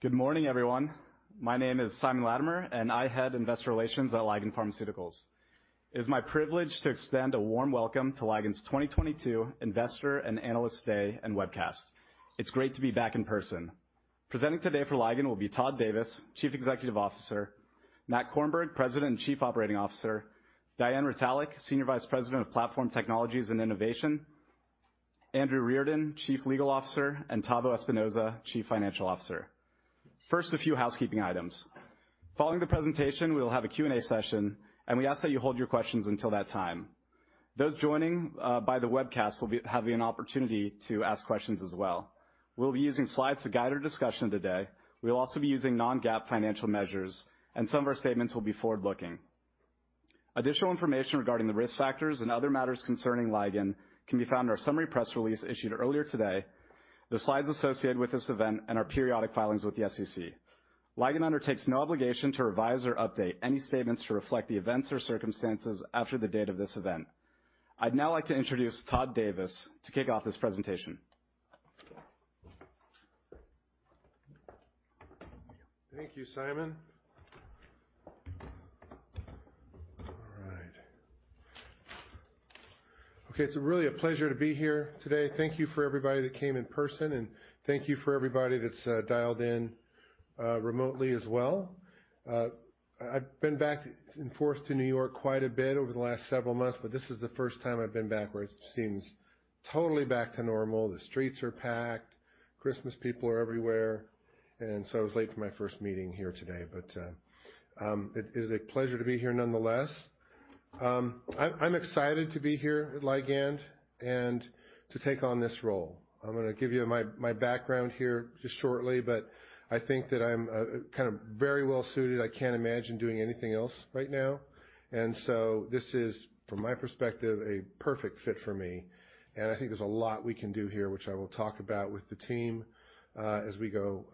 Good morning, everyone. My name is Simon Latimer, I head Investor Relations at Ligand Pharmaceuticals. It is my privilege to extend a warm welcome to Ligand's 2022 Investor and Analyst Day and webcast. It's great to be back in person. Presenting today for Ligand will be Todd Davis, Chief Executive Officer, Matt Korenberg, President and Chief Operating Officer, Diane Retallack, Senior Vice President of Platform Technologies and Innovation, Andrew Reardon, Chief Legal Officer, Tavo Espinoza, Chief Financial Officer. First, a few housekeeping items. Following the presentation, we will have a Q&A session, we ask that you hold your questions until that time. Those joining by the webcast will be having an opportunity to ask questions as well. We'll be using slides to guide our discussion today. We'll also be using non-GAAP financial measures, some of our statements will be forward-looking. Additional information regarding the risk factors and other matters concerning Ligand can be found in our summary press release issued earlier today, the slides associated with this event, and our periodic filings with the SEC. Ligand undertakes no obligation to revise or update any statements to reflect the events or circumstances after the date of this event. I'd now like to introduce Todd Davis to kick off this presentation. Thank you, Simon. All right. Okay, it's really a pleasure to be here today. Thank you for everybody that came in person, and thank you for everybody that's dialed in remotely as well. I've been back in force to New York quite a bit over the last several months, but this is the first time I've been back where it seems totally back to normal. The streets are packed. Christmas people are everywhere. I was late for my first meeting here today. It is a pleasure to be here nonetheless. I'm excited to be here at Ligand and to take on this role. I'm gonna give you my background here just shortly, but I think that I'm kind of very well suited. I can't imagine doing anything else right now. This is, from my perspective, a perfect fit for me. I think there's a lot we can do here, which I will talk about with the team as we go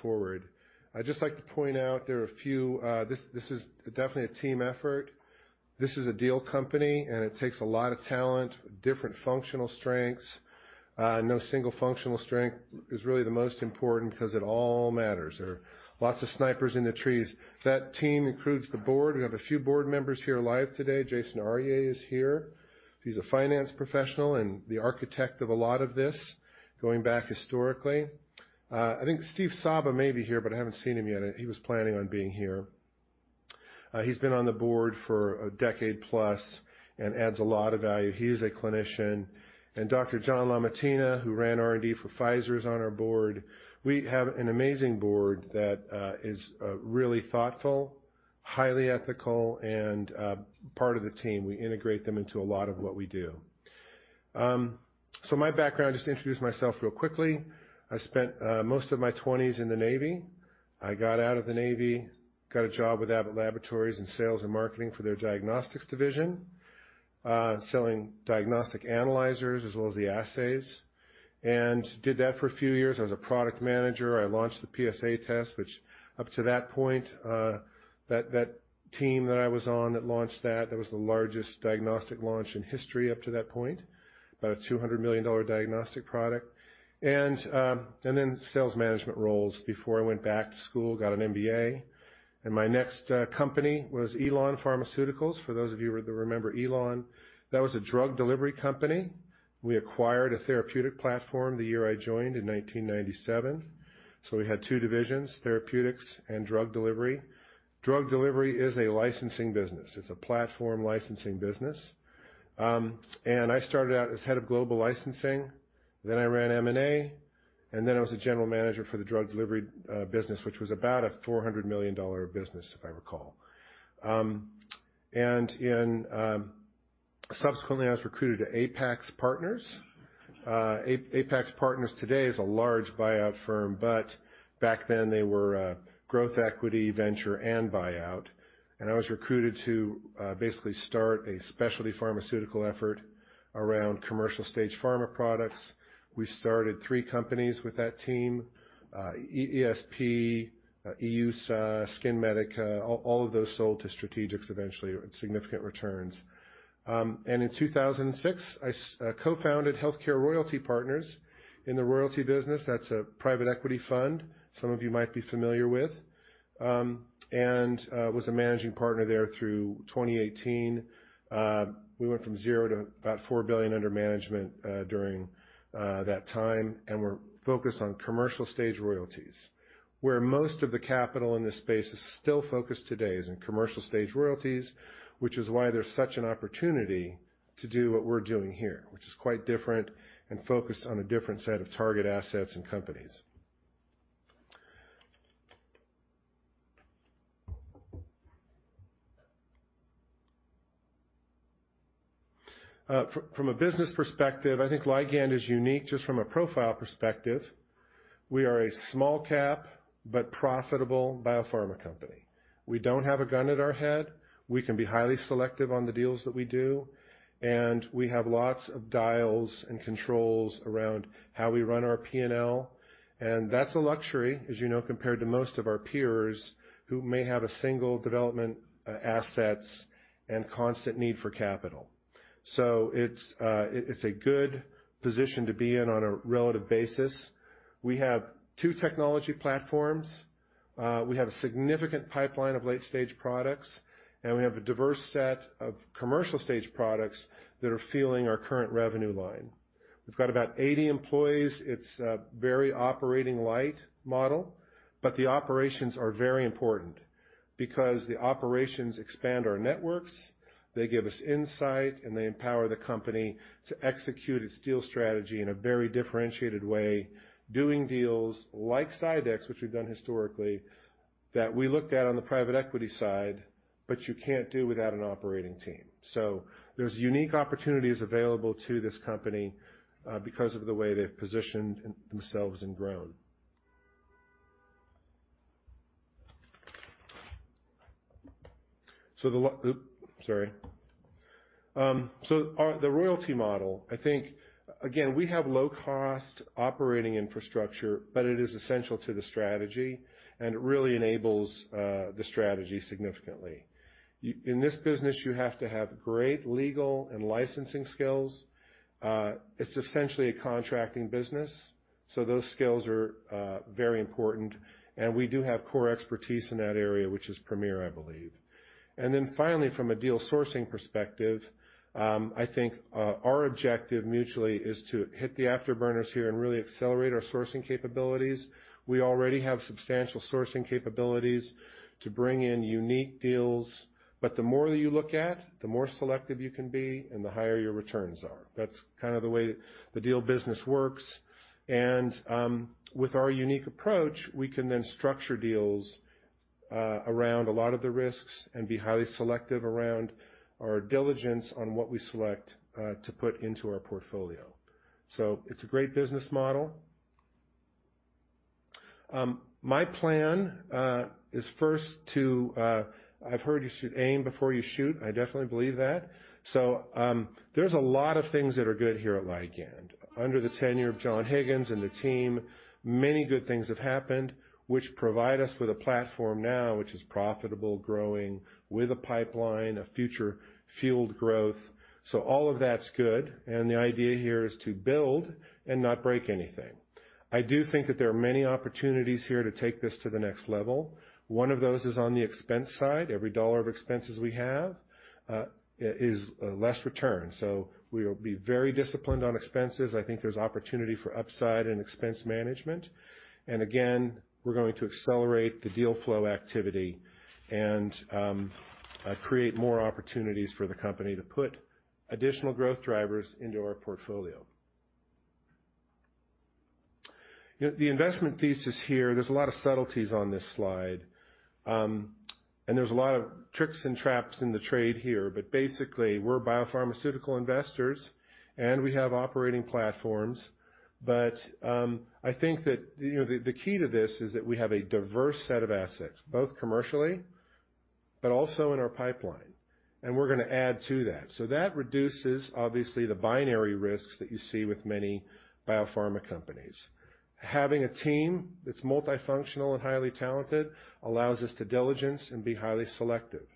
forward. I'd just like to point out there are a few. This is definitely a team effort. This is a deal company, and it takes a lot of talent, different functional strengths. No single functional strength is really the most important 'cause it all matters. There are lots of snipers in the trees. That team includes the board. We have a few board members here live today. Jason Aryeh is here. He's a finance professional and the architect of a lot of this going back historically. I think Steph Sabba may be here, but I haven't seen him yet. He was planning on being here. He's been on the board for a decade plus and adds a lot of value. He is a clinician. Dr. John LaMattina, who ran R&D for Pfizer, is on our board. We have an amazing board that is really thoughtful, highly ethical, and part of the team. We integrate them into a lot of what we do. My background, just to introduce myself real quickly. I spent most of my 20s in the Navy. I got out of the Navy, got a job with Abbott Laboratories in sales and marketing for their diagnostics division, selling diagnostic analyzers as well as the assays, and did that for a few years. I was a product manager. I launched the PSA test, which up to that point, that team that I was on that launched that was the largest diagnostic launch in history up to that point, about a $200 million diagnostic product. Then sales management roles before I went back to school, got an MBA. My next company was Elan Pharmaceuticals. For those of you who remember Elan, that was a drug delivery company. We acquired a therapeutic platform the year I joined in 1997. We had two divisions, therapeutics and drug delivery. Drug delivery is a licensing business. It's a platform licensing business. I started out as head of global licensing, then I ran M&A, and then I was the general manager for the drug delivery business, which was about a $400 million business, if I recall. Subsequently, I was recruited to Apax Partners. Apax Partners today is a large buyout firm, but back then, they were a growth equity venture and buyout. I was recruited to basically start a specialty pharmaceutical effort around commercial stage pharma products. We started three companies with that team, ESP, EUSA, SkinMedica, all of those sold to strategics eventually with significant returns. In 2006, I Co-Founded HealthCare Royalty Partners. In the royalty business, that's a private equity fund some of you might be familiar with, and was a managing partner there through 2018. We went from 0 to about $4 billion under management during that time, and we're focused on commercial stage royalties. Where most of the capital in this space is still focused today is in commercial stage royalties, which is why there's such an opportunity to do what we're doing here, which is quite different and focused on a different set of target assets and companies. From a business perspective, I think Ligand is unique just from a profile perspective. We are a small cap but profitable biopharma company. We don't have a gun at our head. We can be highly selective on the deals that we do, and we have lots of dials and controls around how we run our P&L. That's a luxury, as you know, compared to most of our peers who may have a single development assets and constant need for capital. It's a good position to be in on a relative basis. We have two technology platforms. We have a significant pipeline of late-stage products, and we have a diverse set of commercial-stage products that are fueling our current revenue line. We've got about 80 employees. It's a very operating light model, but the operations are very important because the operations expand our networks, they give us insight, and they empower the company to execute its deal strategy in a very differentiated way, doing deals like CyDex, which we've done historically, that we looked at on the private equity side, but you can't do without an operating team. There's unique opportunities available to this company because of the way they've positioned themselves and grown. Sorry. The royalty model, I think, again, we have low cost operating infrastructure, but it is essential to the strategy and really enables the strategy significantly. In this business, you have to have great legal and licensing skills. It's essentially a contracting business, so those skills are very important, and we do have core expertise in that area, which is premier, I believe. Finally, from a deal sourcing perspective, I think our objective mutually is to hit the afterburners here and really accelerate our sourcing capabilities. We already have substantial sourcing capabilities to bring in unique deals, but the more that you look at, the more selective you can be and the higher your returns are. That's kind of the way the deal business works. With our unique approach, we can then structure deals around a lot of the risks and be highly selective around our diligence on what we select to put into our portfolio. It's a great business model. My plan is first to, I've heard you should aim before you shoot, and I definitely believe that. There's a lot of things that are good here at Ligand. Under the tenure of John Higgins and the team, many good things have happened which provide us with a platform now which is profitable, growing, with a pipeline of future fueled growth. All of that's good, and the idea here is to build and not break anything. I do think that there are many opportunities here to take this to the next level. One of those is on the expense side. Every dollar of expenses we have, is less return. We'll be very disciplined on expenses. I think there's opportunity for upside in expense management. Again, we're going to accelerate the deal flow activity and create more opportunities for the company to put additional growth drivers into our portfolio. The investment thesis here, there's a lot of subtleties on this slide, and there's a lot of tricks and traps in the trade here. Basically, we're biopharmaceutical investors and we have operating platforms. I think that, you know, the key to this is that we have a diverse set of assets, both commercially but also in our pipeline, and we're gonna add to that. That reduces, obviously, the binary risks that you see with many biopharma companies. Having a team that's multifunctional and highly talented allows us to diligence and be highly selective.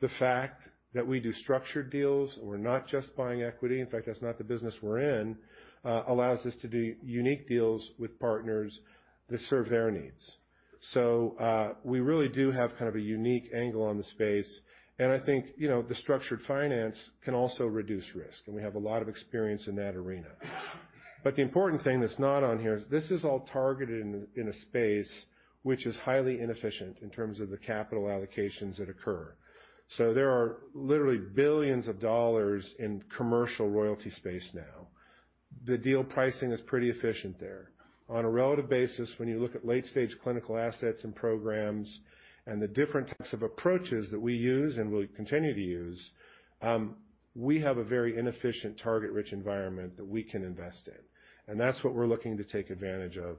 The fact that we do structured deals, we're not just buying equity, in fact, that's not the business we're in, allows us to do unique deals with partners that serve their needs. We really do have kind of a unique angle on the space, and I think, you know, the structured finance can also reduce risk, and we have a lot of experience in that arena. The important thing that's not on here is this is all targeted in a space which is highly inefficient in terms of the capital allocations that occur. There are literally billions of dollars in commercial royalty space now. The deal pricing is pretty efficient there. On a relative basis, when you look at late-stage clinical assets and programs and the different types of approaches that we use and will continue to use, we have a very inefficient target-rich environment that we can invest in. That's what we're looking to take advantage of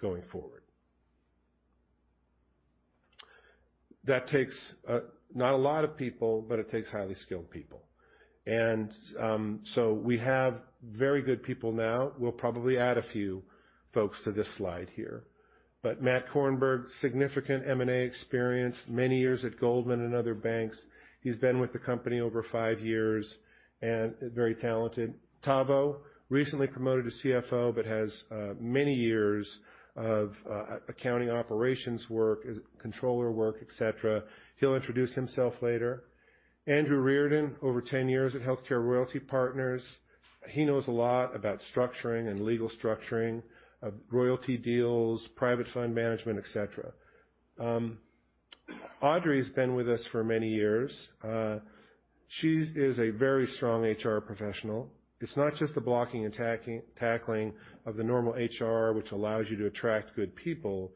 going forward. That takes not a lot of people, but it takes highly skilled people. We have very good people now. We'll probably add a few folks to this slide here. Matt Korenberg, significant M&A experience, many years at Goldman and other banks. He's been with the company over five years and is very talented. Tavo, recently promoted to CFO but has many years of accounting operations work, as controller work, etc. He'll introduce himself later. Andrew Reardon, over 10 years at Healthcare Royalty Partners. He knows a lot about structuring and legal structuring of royalty deals, private fund management, etc. Audrey's been with us for many years. She is a very strong HR professional. It's not just the blocking and tackling of the normal HR, which allows you to attract good people,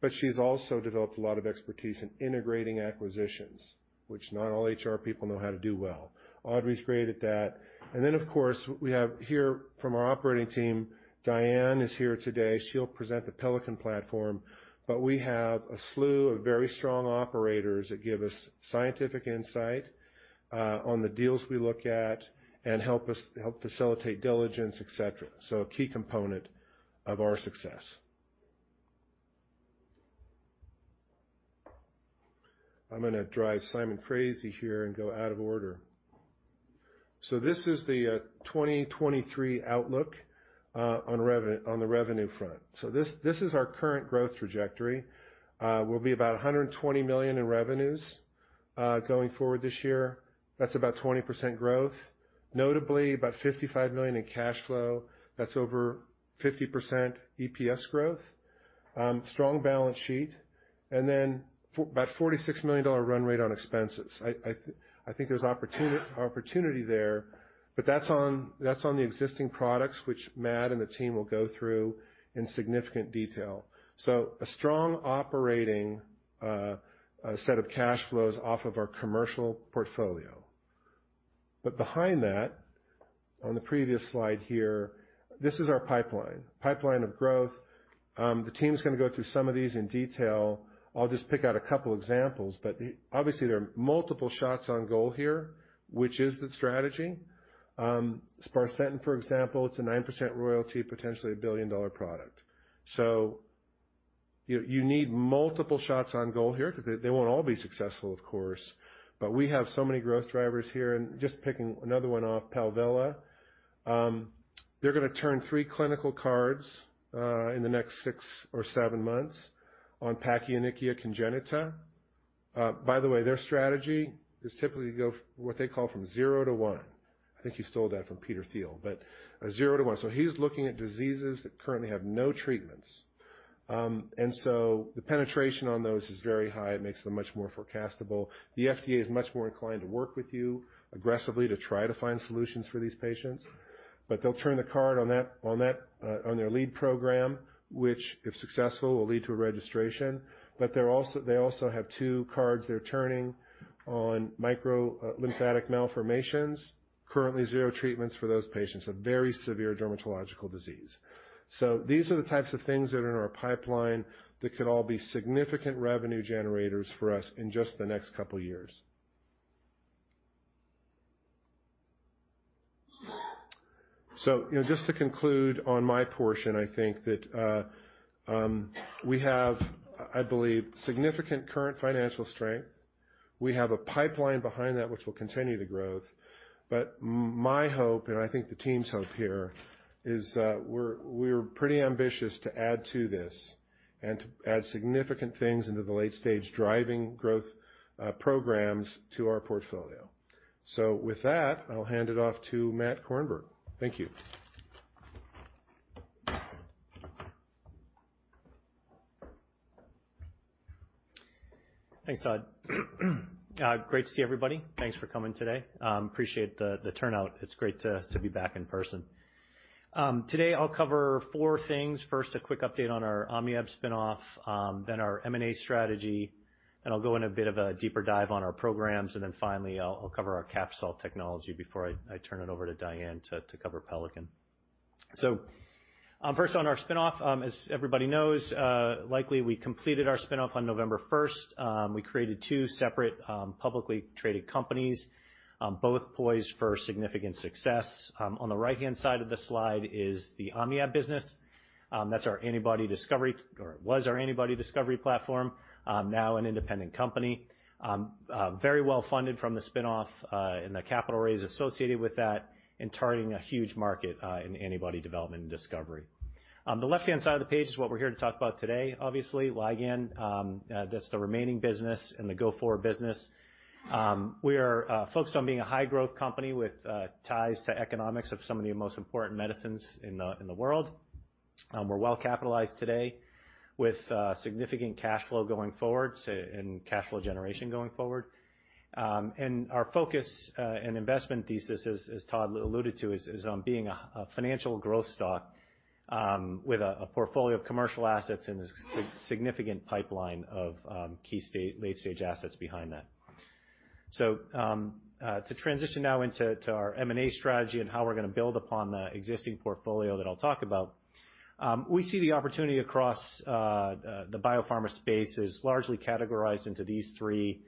but she's also developed a lot of expertise in integrating acquisitions, which not all HR people know how to do well. Audrey's great at that. Of course, we have here from our operating team, Diane is here today. She'll present the Pelican platform, but we have a slew of very strong operators that give us scientific insight on the deals we look at and help us, help facilitate diligence, etc. A key component of our success. I'm gonna drive Simon crazy here and go out of order. This is the 2023 outlook on the revenue front. This is our current growth trajectory. We'll be about $120 million in revenues going forward this year. That's about 20% growth, notably about $55 million in cash flow. That's over 50% EPS growth. Strong balance sheet and then about $46 million run rate on expenses. I think there's opportunity there, but that's on, that's on the existing products which Matt and the team will go through in significant detail. A strong operating set of cash flows off of our commercial portfolio. Behind that, on the previous slide here, this is our pipeline. Pipeline of growth, the team's gonna go through some of these in detail. I'll just pick out a couple examples, but the... Obviously, there are multiple shots on goal here, which is the strategy. sparsentan, for example, it's a 9% royalty, potentially a billion-dollar product. You need multiple shots on goal here 'cause they won't all be successful, of course. We have so many growth drivers here, and just picking another one off, Palvella. They're gonna turn three clinical cards in the next six or seven months on pachyonychia congenita. By the way, their strategy is typically to go what they call from zero to one. I think he stole that from Peter Thiel, but zero to one. He's looking at diseases that currently have no treatments. The penetration on those is very high. It makes them much more forecastable. The FDA is much more inclined to work with you aggressively to try to find solutions for these patients. they'll turn the card on that, on their lead program, which if successful, will lead to a registration. they also have two cards they're turning on microcystic lymphatic malformations. Currently zero treatments for those patients, a very severe dermatological disease. These are the types of things that are in our pipeline that could all be significant revenue generators for us in just the next couple years. you know, just to conclude on my portion, I think that we have, I believe, significant current financial strength. We have a pipeline behind that which will continue to grow. my hope, and I think the team's hope here, is, we're pretty ambitious to add to this and to add significant things into the late-stage driving growth programs to our portfolio. With that, I'll hand it off to Matt Korenberg. Thank you. Thanks, Todd. Great to see everybody. Thanks for coming today. Appreciate the turnout. It's great to be back in person. Today I'll cover four things. First, a quick update on our OmniAb spinoff, then our M&A strategy, and I'll go in a bit of a deeper dive on our programs, and then finally I'll cover our Captisol technology before I turn it over to Diane to cover Pelican. First on our spinoff, as everybody knows, likely we completed our spinoff on November 1st. We created two separate, publicly traded companies, both poised for significant success. On the right-hand side of the slide is the OmniAb business. That's our antibody discovery or it was our antibody discovery platform, now an independent company. Very well-funded from the spinoff and the capital raise associated with that and targeting a huge market in antibody development and discovery. On the left-hand side of the page is what we're here to talk about today, obviously, Ligand. That's the remaining business and the go-forward business. We are focused on being a high-growth company with ties to economics of some of the most important medicines in the world. We're well-capitalized today with significant cash flow going forward so. Cash flow generation going forward. Our focus and investment thesis as Todd alluded to is on being a financial growth stock with a portfolio of commercial assets and a significant pipeline of key late-stage assets behind that. To transition now into our M&A strategy and how we're gonna build upon the existing portfolio that I'll talk about, we see the opportunity across the biopharma space as largely categorized into these three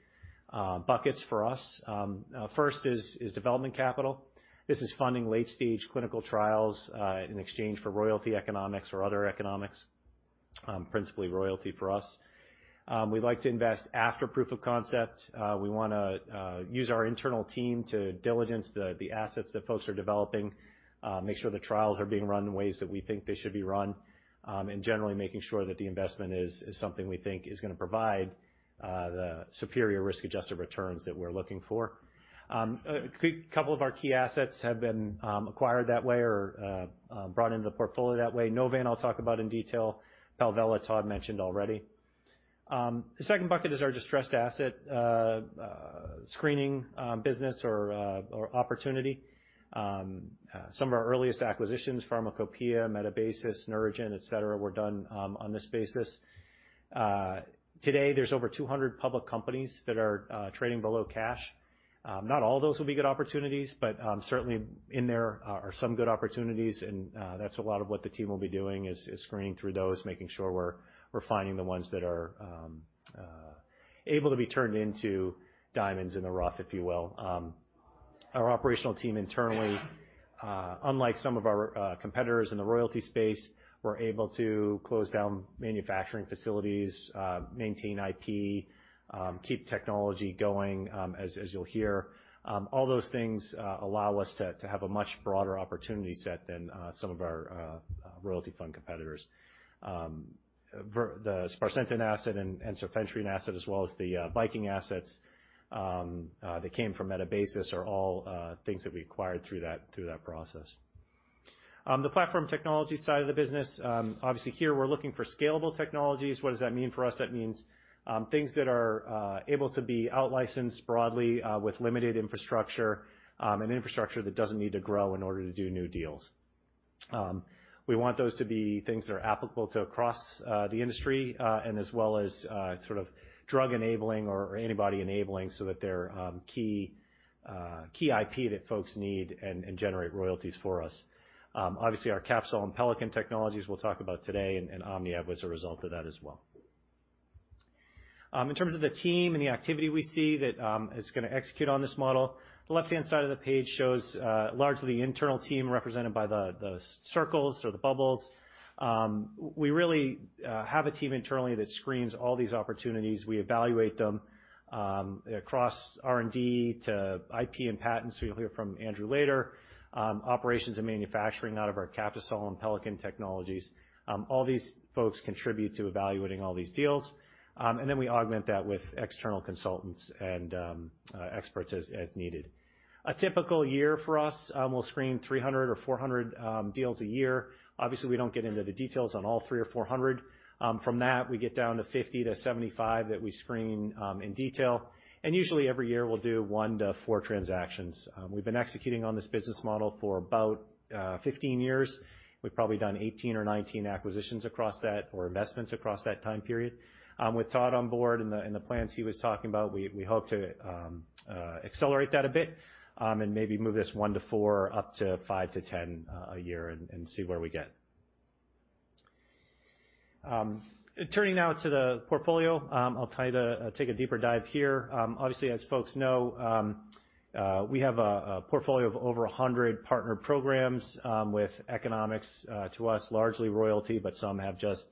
buckets for us. First is development capital. This is funding late-stage clinical trials in exchange for royalty economics or other economics, principally royalty for us. We like to invest after proof of concept. We wanna use our internal team to diligence the assets that folks are developing, make sure the trials are being run in ways that we think they should be run, and generally making sure that the investment is something we think is gonna provide the superior risk-adjusted returns that we're looking for. A quick couple of our key assets have been acquired that way or brought into the portfolio that way. Novan, I'll talk about in detail. Palvella, Todd mentioned already. The second bucket is our distressed asset screening business or opportunity. Some of our earliest acquisitions, Pharmacopeia, Metabasis, Neurogen, etc., were done on this basis. Today there's over 200 public companies that are trading below cash. Not all of those will be good opportunities, but certainly in there are some good opportunities, and that's a lot of what the team will be doing is screening through those, making sure we're finding the ones that are able to be turned into diamonds in the rough, if you will. Our operational team internally, unlike some of our competitors in the royalty space, we're able to close down manufacturing facilities, maintain IP, keep technology going, as you'll hear. All those things allow us to have a much broader opportunity set than some of our royalty fund competitors. The sparsentan asset and ensifentrine asset as well as the Viking assets that came from Metabasis are all things that we acquired through that process. The platform technology side of the business, obviously here we're looking for scalable technologies. What does that mean for us? That means things that are able to be outlicensed broadly with limited infrastructure, and infrastructure that doesn't need to grow in order to do new deals. We want those to be things that are applicable to across the industry, and as well as sort of drug enabling or antibody enabling so that they're key IP that folks need and generate royalties for us. Obviously, our Captisol and Pelican technologies we'll talk about today, and OmniAb was a result of that as well. In terms of the team and the activity we see that is gonna execute on this model, the left-hand side of the page shows largely the internal team represented by the circles or the bubbles. We really have a team internally that screens all these opportunities. We evaluate them across R&D to IP and patents. You'll hear from Andrew later. Operations and manufacturing out of our Captisol and Pelican technologies. All these folks contribute to evaluating all these deals. We augment that with external consultants and experts as needed. A typical year for us, we'll screen 300 or 400 deals a year. Obviously, we don't get into the details on all 300 or 400. From that, we get down to 50-75 that we screen in detail. Usually every year, we'll do one to four transactions. We've been executing on this business model for about 15 years. We've probably done 18 or 19 acquisitions across that or investments across that time period. With Todd on board and the plans he was talking about, we hope to accelerate that a bit and maybe move this one to four up to five to 10 a year and see where we get. Turning now to the portfolio, I'll try to take a deeper dive here. Obviously, as folks know, we have a portfolio of over 100 partner programs with economics to us, largely royalty, but some have just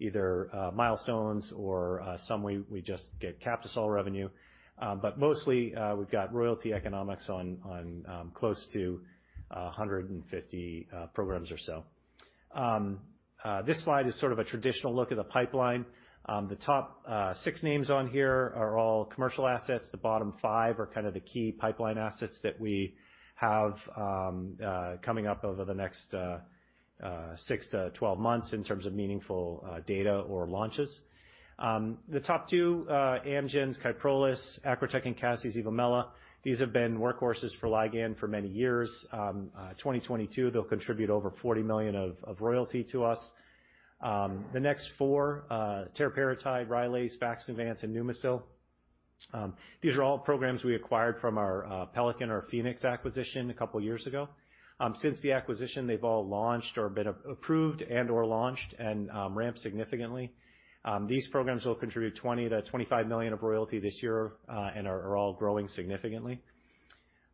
either milestones or some we just get Captisol revenue. Mostly, we've got royalty economics on close to 150 programs or so. This slide is sort of a traditional look at the pipeline. The top six names on here are all commercial assets. The bottom five are kind of the key pipeline assets that we have coming up over the next six to 12 months in terms of meaningful data or launches. The top two, Amgen's KYPROLIS, Acrotech and CASI's Evomela, these have been workhorses for Ligand for many years. 2022, they'll contribute over $40 million of royalty to us. The next four, Teriparatide, RYLAZE, VAXNEUVANCE, and Pneumosil, these are all programs we acquired from our Pelican or Pfenex acquisition a couple years ago. Since the acquisition, they've all launched or been approved and/or launched and ramped significantly. These programs will contribute $20 million-$25 million of royalty this year, and are all growing significantly.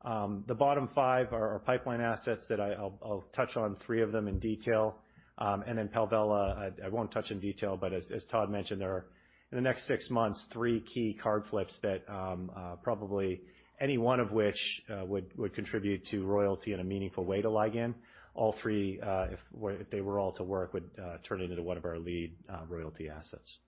The bottom five are pipeline assets that I'll touch on three of them in detail. Palvella, I won't touch in detail, but as Todd mentioned, there are in the next six months, three key card flips that probably any one of which would contribute to royalty in a meaningful way to Ligand. All three, if they were all to work, would turn into one of our lead royalty assets.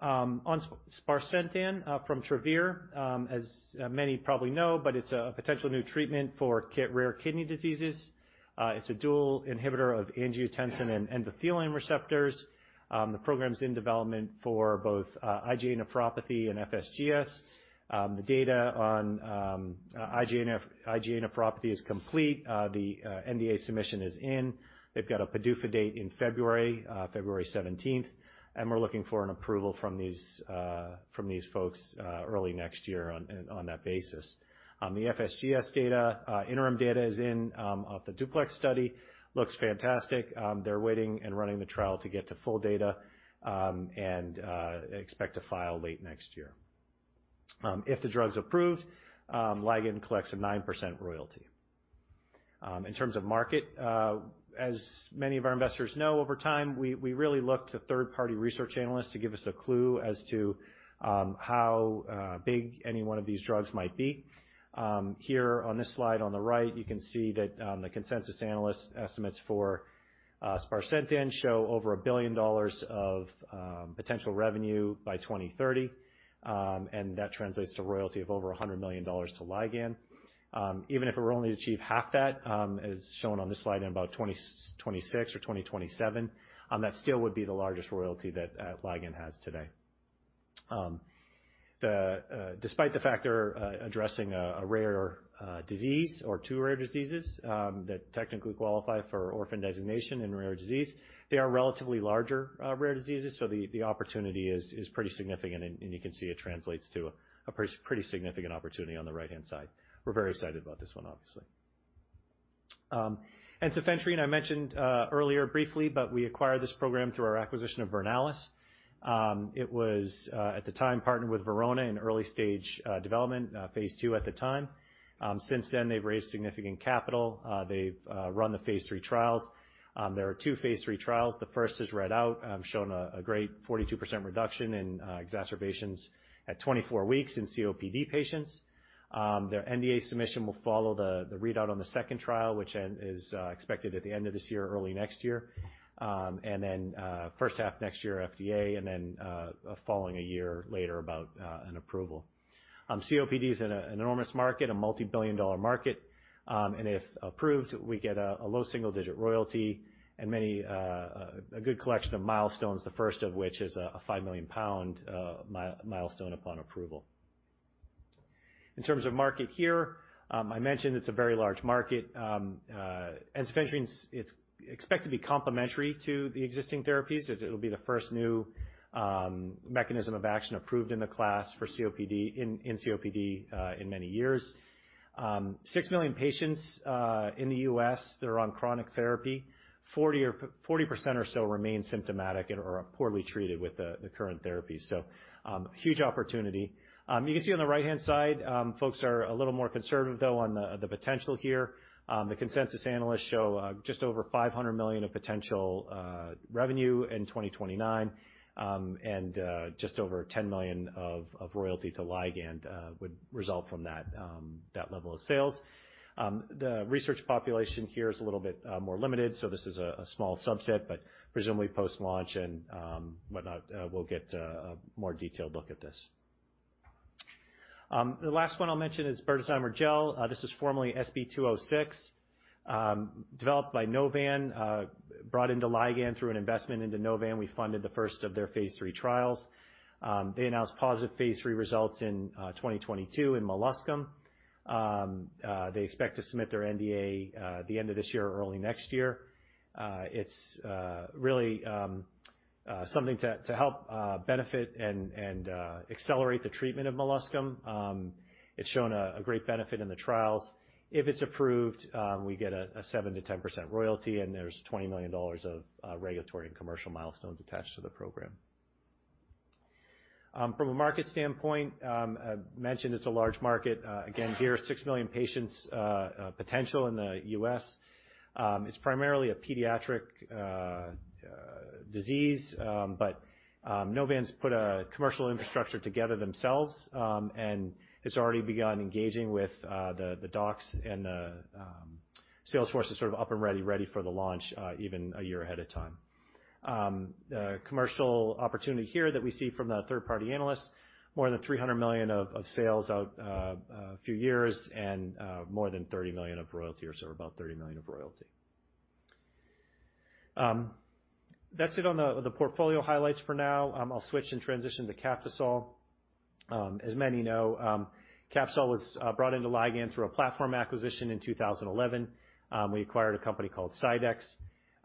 On sparsentan, from Travere, as many probably know, but it's a potential new treatment for rare kidney diseases. It's a dual inhibitor of angiotensin and endothelin receptors. The program's in development for both IgA nephropathy and FSGS. The data on IgA nephropathy is complete. The NDA submission is in. They've got a PDUFA date in February 17th, and we're looking for an approval from these folks early next year on, in, on that basis. The FSGS data, interim data is in of the DUPLEX study. Looks fantastic. They're waiting and running the trial to get to full data, and expect to file late next year. If the drug's approved, Ligand collects a 9% royalty. In terms of market, as many of our investors know over time, we really look to third-party research analysts to give us a clue as to how big any one of these drugs might be. Here on this slide on the right, you can see that the consensus analyst estimates for sparsentan show over $1 billion of potential revenue by 2030, and that translates to royalty of over $100 million to Ligand. Even if it were only to achieve half that, as shown on this slide in about 2026 or 2027, that still would be the largest royalty that Ligand has today. Despite the fact they're addressing a rare disease or two rare diseases, that technically qualify for orphan designation in rare disease, they are relatively larger rare diseases, so the opportunity is pretty significant, and you can see it translates to a pretty significant opportunity on the right-hand side. We're very excited about this one, obviously. Ensifentrine I mentioned earlier briefly, we acquired this program through our acquisition of Vernalis. It was at the time partnered with Verona in early stage development, Phase II at the time. Since then, they've raised significant capital. They've run the phase III trials. There are two phase III trials. The first is read out, shown a great 42% reduction in exacerbations at 24 weeks in COPD patients. Their NDA submission will follow the readout on the second trial, which is expected at the end of this year or early next year. First half next year FDA and then following a year later about an approval. COPD is an enormous market, a multibillion-dollar market, and if approved, we get a low single-digit royalty and many a good collection of milestones, the first of which is a 5 million pound milestone upon approval. In terms of market here, I mentioned it's a very large market. ensifentrine's, it's expected to be complementary to the existing therapies. It, it'll be the first new mechanism of action approved in the class for COPD in COPD in many years. 6 million patients in the U.S. that are on chronic therapy, 40% or so remain symptomatic and/or are poorly treated with the current therapy. Huge opportunity. You can see on the right-hand side, folks are a little more conservative though on the potential here. The consensus analysts show just over $500 million of potential revenue in 2029, and just over $10 million of royalty to Ligand would result from that level of sales. The research population here is a little bit more limited, so this is a small subset, but presumably post-launch and whatnot, we'll get a more detailed look at this. The last one I'll mention is berdazimer gel. This is formerly SB206, developed by Novan, brought into Ligand through an investment into Novan. We funded the first of their phase III trials. They announced positive phase III results in 2022 in molluscum. They expect to submit their NDA at the end of this year or early next year. It's really something to help benefit and accelerate the treatment of molluscum. It's shown a great benefit in the trials. If it's approved, we get a 7%-10% royalty, and there's $20 million of regulatory and commercial milestones attached to the program. From a market standpoint, I mentioned it's a large market. Again, here, 6 million patients potential in the U.S. It's primarily a pediatric disease, but Novan's put a commercial infrastructure together themselves, and has already begun engaging with the docs and the sales force is sort of up and ready for the launch even a year ahead of time. The commercial opportunity here that we see from the third-party analysts, more than $300 million of sales out a few years and more than $30 million of royalty or so, or about $30 million of royalty. That's it on the portfolio highlights for now. I'll switch and transition to Captisol. As many know, Captisol was brought into Ligand through a platform acquisition in 2011. We acquired a company called CyDex.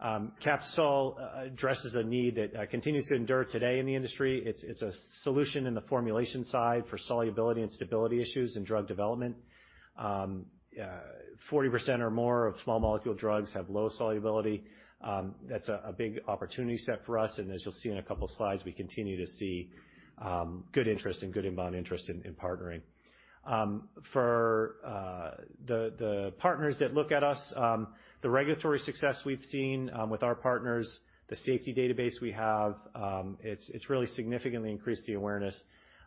Captisol addresses a need that continues to endure today in the industry. It's a solution in the formulation side for solubility and stability issues in drug development. 40% or more of small molecule drugs have low solubility. That's a big opportunity set for us, and as you'll see in a couple slides, we continue to see good interest and good inbound interest in partnering. For the partners that look at us, the regulatory success we've seen with our partners, the safety database we have, it's really significantly increased the awareness.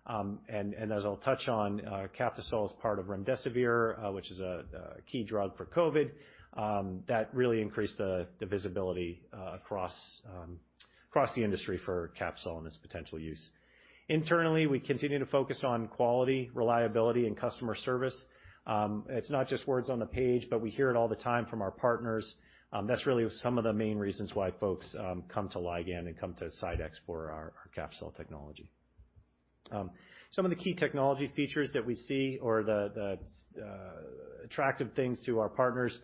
As I'll touch on, Captisol is part of remdesivir, which is a key drug for COVID. That really increased the visibility across the industry for Captisol and its potential use. Internally, we continue to focus on quality, reliability, and customer service. It's not just words on the page, but we hear it all the time from our partners. That's really some of the main reasons why folks come to Ligand and come to Sidex for our Captisol technology. Some of the key technology features that we see or the attractive things to our partners.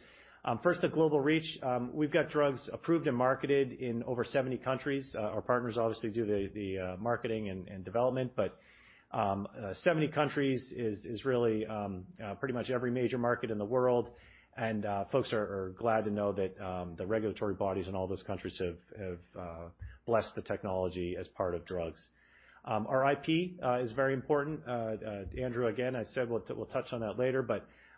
First, the global reach. We've got drugs approved and marketed in over 70 countries. Our partners obviously do the marketing and development, but 70 countries is really pretty much every major market in the world, and folks are glad to know that the regulatory bodies in all those countries have blessed the technology as part of drugs. Our IP is very important. Andrew, again, I said we'll touch on that later,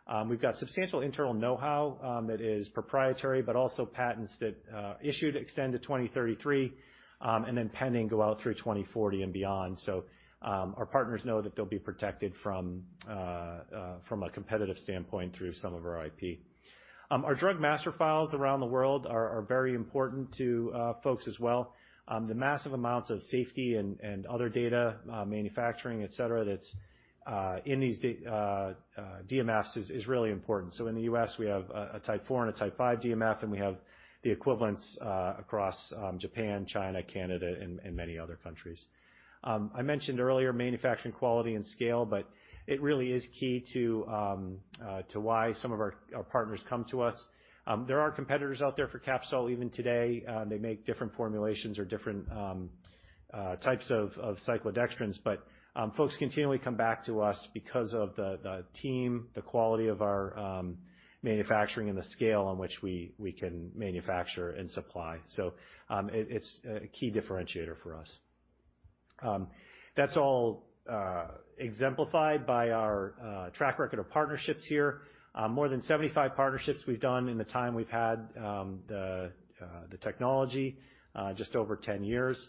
but we've got substantial internal know-how that is proprietary, but also patents that issued extend to 2033, and then pending go out through 2040 and beyond. Our partners know that they'll be protected from a competitive standpoint through some of our IP. Our drug master files around the world are very important to folks as well. The massive amounts of safety and other data, manufacturing, etc., that's in these DMFs is really important. In the U.S., we have a Type IV and a Type V DMF, and we have the equivalents across Japan, China, Canada, and many other countries. I mentioned earlier manufacturing quality and scale, but it really is key to why some of our partners come to us. There are competitors out there for Captisol even today. They make different formulations or different types of cyclodextrins, but folks continually come back to us because of the team, the quality of our manufacturing and the scale on which we can manufacture and supply. It's a key differentiator for us. That's all exemplified by our track record of partnerships here. More than 75 partnerships we've done in the time we've had the technology, just over 10 years.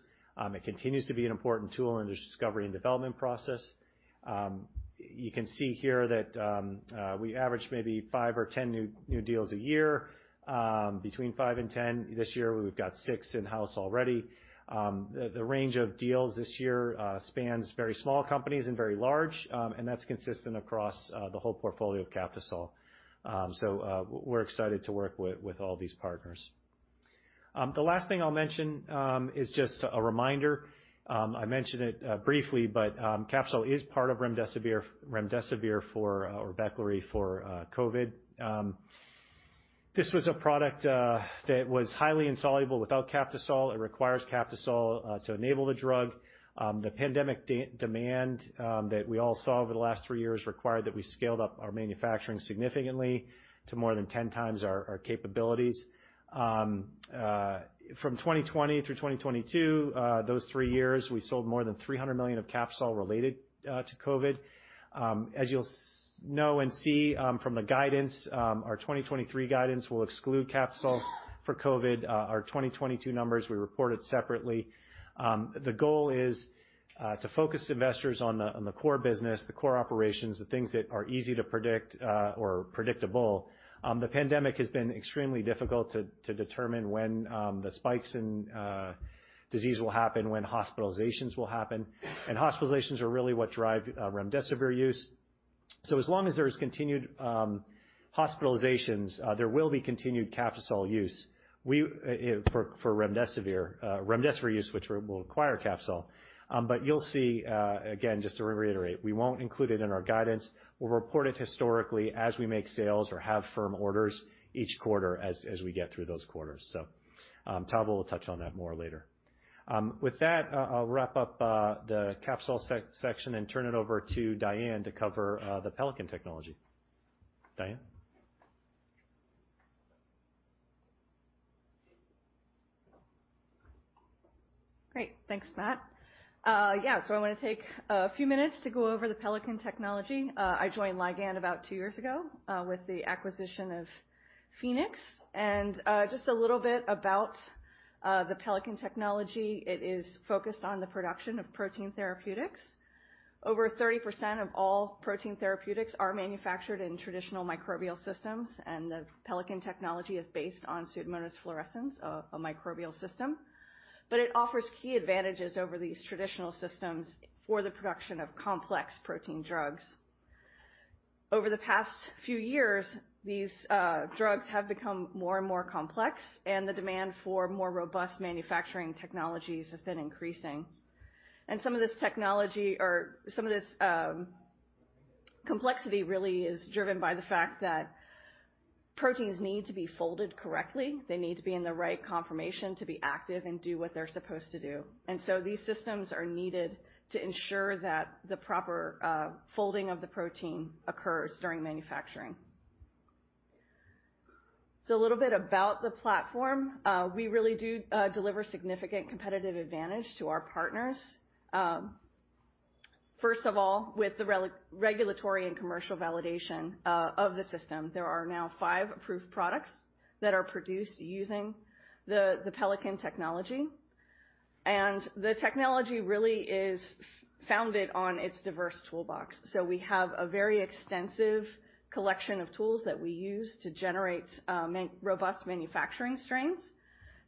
It continues to be an important tool in this discovery and development process. You can see here that we average maybe five or 10 new deals a year, between five and 10. This year, we've got six in-house already. The range of deals this year spans very small companies and very large, and that's consistent across the whole portfolio of Captisol. We're excited to work with all these partners. The last thing I'll mention is just a reminder. I mentioned it briefly, Captisol is part of remdesivir or Veklury for COVID. This was a product that was highly insoluble without Captisol. It requires Captisol to enable the drug. The pandemic demand that we all saw over the last three years required that we scaled up our manufacturing significantly to more than 10x our capabilities. From 2020 through 2022, those three years, we sold more than $300 million of Captisol related to COVID. As you'll know and see from the guidance, our 2023 guidance will exclude Captisol for COVID. Our 2022 numbers we reported separately. The goal is to focus investors on the core business, the core operations, the things that easy to predict or predictable. The pandemic has been extremely difficult to determine when the spikes in disease will happen, when hospitalizations will happen. Hospitalizations are really what drive remdesivir use. As long as there's continued hospitalizations, there will be continued Captisol use. We for remdesivir remdesivir use, which will require Captisol. You'll see again, just to reiterate, we won't include it in our guidance. We'll report it historically as we make sales or have firm orders each quarter as we get through those quarters. Todd will touch on that more later. With that, I'll wrap up the Captisol section and turn it over to Diane to cover the Pelican technology. Diane? Great. Thanks, Matt. I want to take a few minutes to go over the Pelican technology. I joined Ligand about two years ago with the acquisition of Pfenex. Just a little bit about the Pelican technology. It is focused on the production of protein therapeutics. Over 30% of all protein therapeutics are manufactured in traditional microbial systems, the Pelican technology is based on Pseudomonas fluorescens, a microbial system. It offers key advantages over these traditional systems for the production of complex protein drugs. Over the past few years, these drugs have become more and more complex, the demand for more robust manufacturing technologies has been increasing. Some of this technology or some of this complexity really is driven by the fact that proteins need to be folded correctly. They need to be in the right conformation to be active and do what they're supposed to do. These systems are needed to ensure that the proper folding of the protein occurs during manufacturing. A little bit about the platform. We really do deliver significant competitive advantage to our partners. First of all, with the regulatory and commercial validation of the system, there are now five approved products that are produced using the Pelican technology, and the technology really is founded on its diverse toolbox. We have a very extensive collection of tools that we use to generate robust manufacturing strains.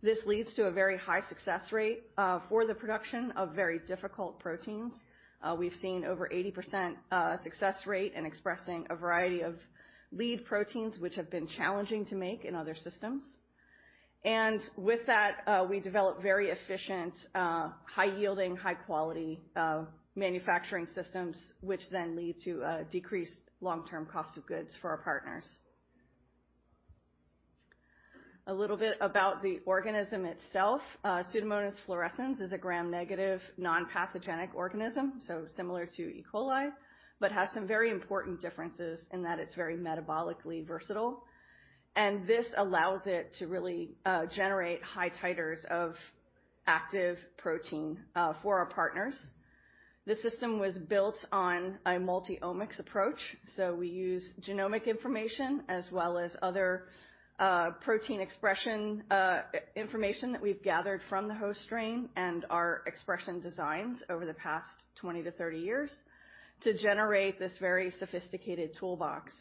This leads to a very high success rate for the production of very difficult proteins. We've seen over 80% success rate in expressing a variety of lead proteins, which have been challenging to make in other systems. With that, we develop very efficient, high-yielding, high-quality manufacturing systems, which then lead to decreased long-term cost of goods for our partners. A little bit about the organism itself. Pseudomonas fluorescens is a Gram-negative non-pathogenic organism, so similar to E. coli, but has some very important differences in that it's very metabolically versatile. This allows it to really generate high titers of active protein for our partners. This system was built on a multi-omics approach, so we use genomic information as well as other protein expression information that we've gathered from the host strain and our expression designs over the past 20-30 years to generate this very sophisticated toolbox.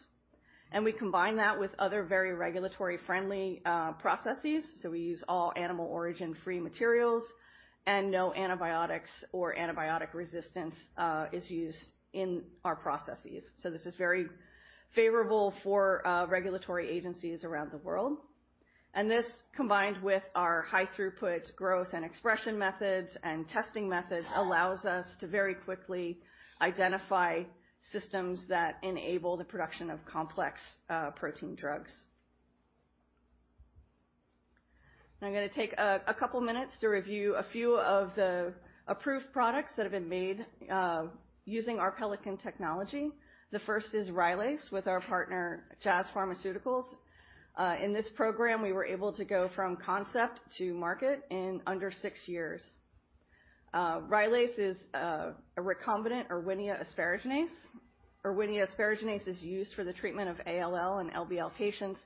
We combine that with other very regulatory-friendly processes. We use all animal origin-free materials, and no antibiotics or antibiotic resistance is used in our processes. This is very favorable for regulatory agencies around the world. This, combined with our high throughput growth and expression methods and testing methods, allows us to very quickly identify systems that enable the production of complex protein drugs. I'm gonna take a couple minutes to review a few of the approved products that have been made using our Pelican technology. The first is RYLAZE with our partner, Jazz Pharmaceuticals. In this program, we were able to go from concept to market in under six years. RYLAZE is a recombinant Erwinia asparaginase. Erwinia asparaginase is used for the treatment of ALL and LBL patients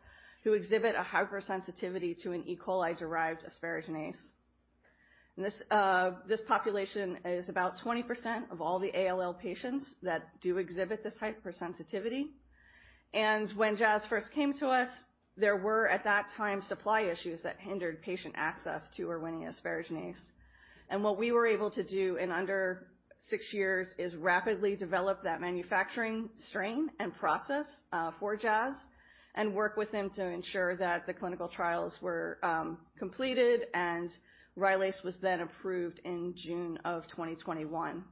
who exhibit a hypersensitivity to an E. coli-derived asparaginase. This population is about 20% of all the ALL patients that do exhibit this hypersensitivity. When Jazz first came to us, there were, at that time, supply issues that hindered patient access to Erwinia asparaginase. What we were able to do in under six years is rapidly develop that manufacturing strain and process for Jazz and work with them to ensure that the clinical trials were completed, and RYLAZE was then approved in June of 2021.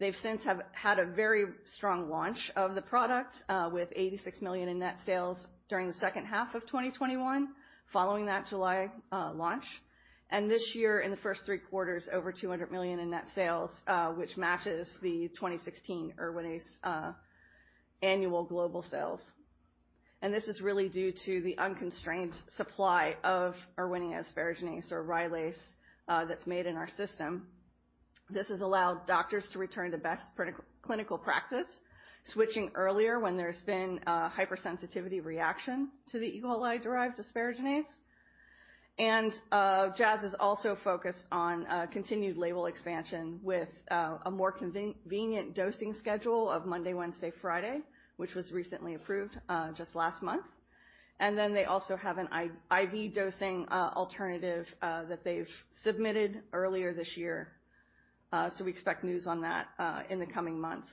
They've since have had a very strong launch of the product with $86 million in net sales during the second half of 2021 following that July launch. This year, in the first three quarters, over $200 million in net sales, which matches the 2016 Erwinia's annual global sales. This is really due to the unconstrained supply of Erwinia asparaginase or RYLAZE that's made in our system. This has allowed doctors to return to best clinical practice, switching earlier when there's been a hypersensitivity reaction to the E. coli-derived asparaginase. Jazz is also focused on continued label expansion with a more convenient dosing schedule of Monday, Wednesday, Friday, which was recently approved just last month. They also have an IV dosing alternative that they've submitted earlier this year. We expect news on that in the coming months.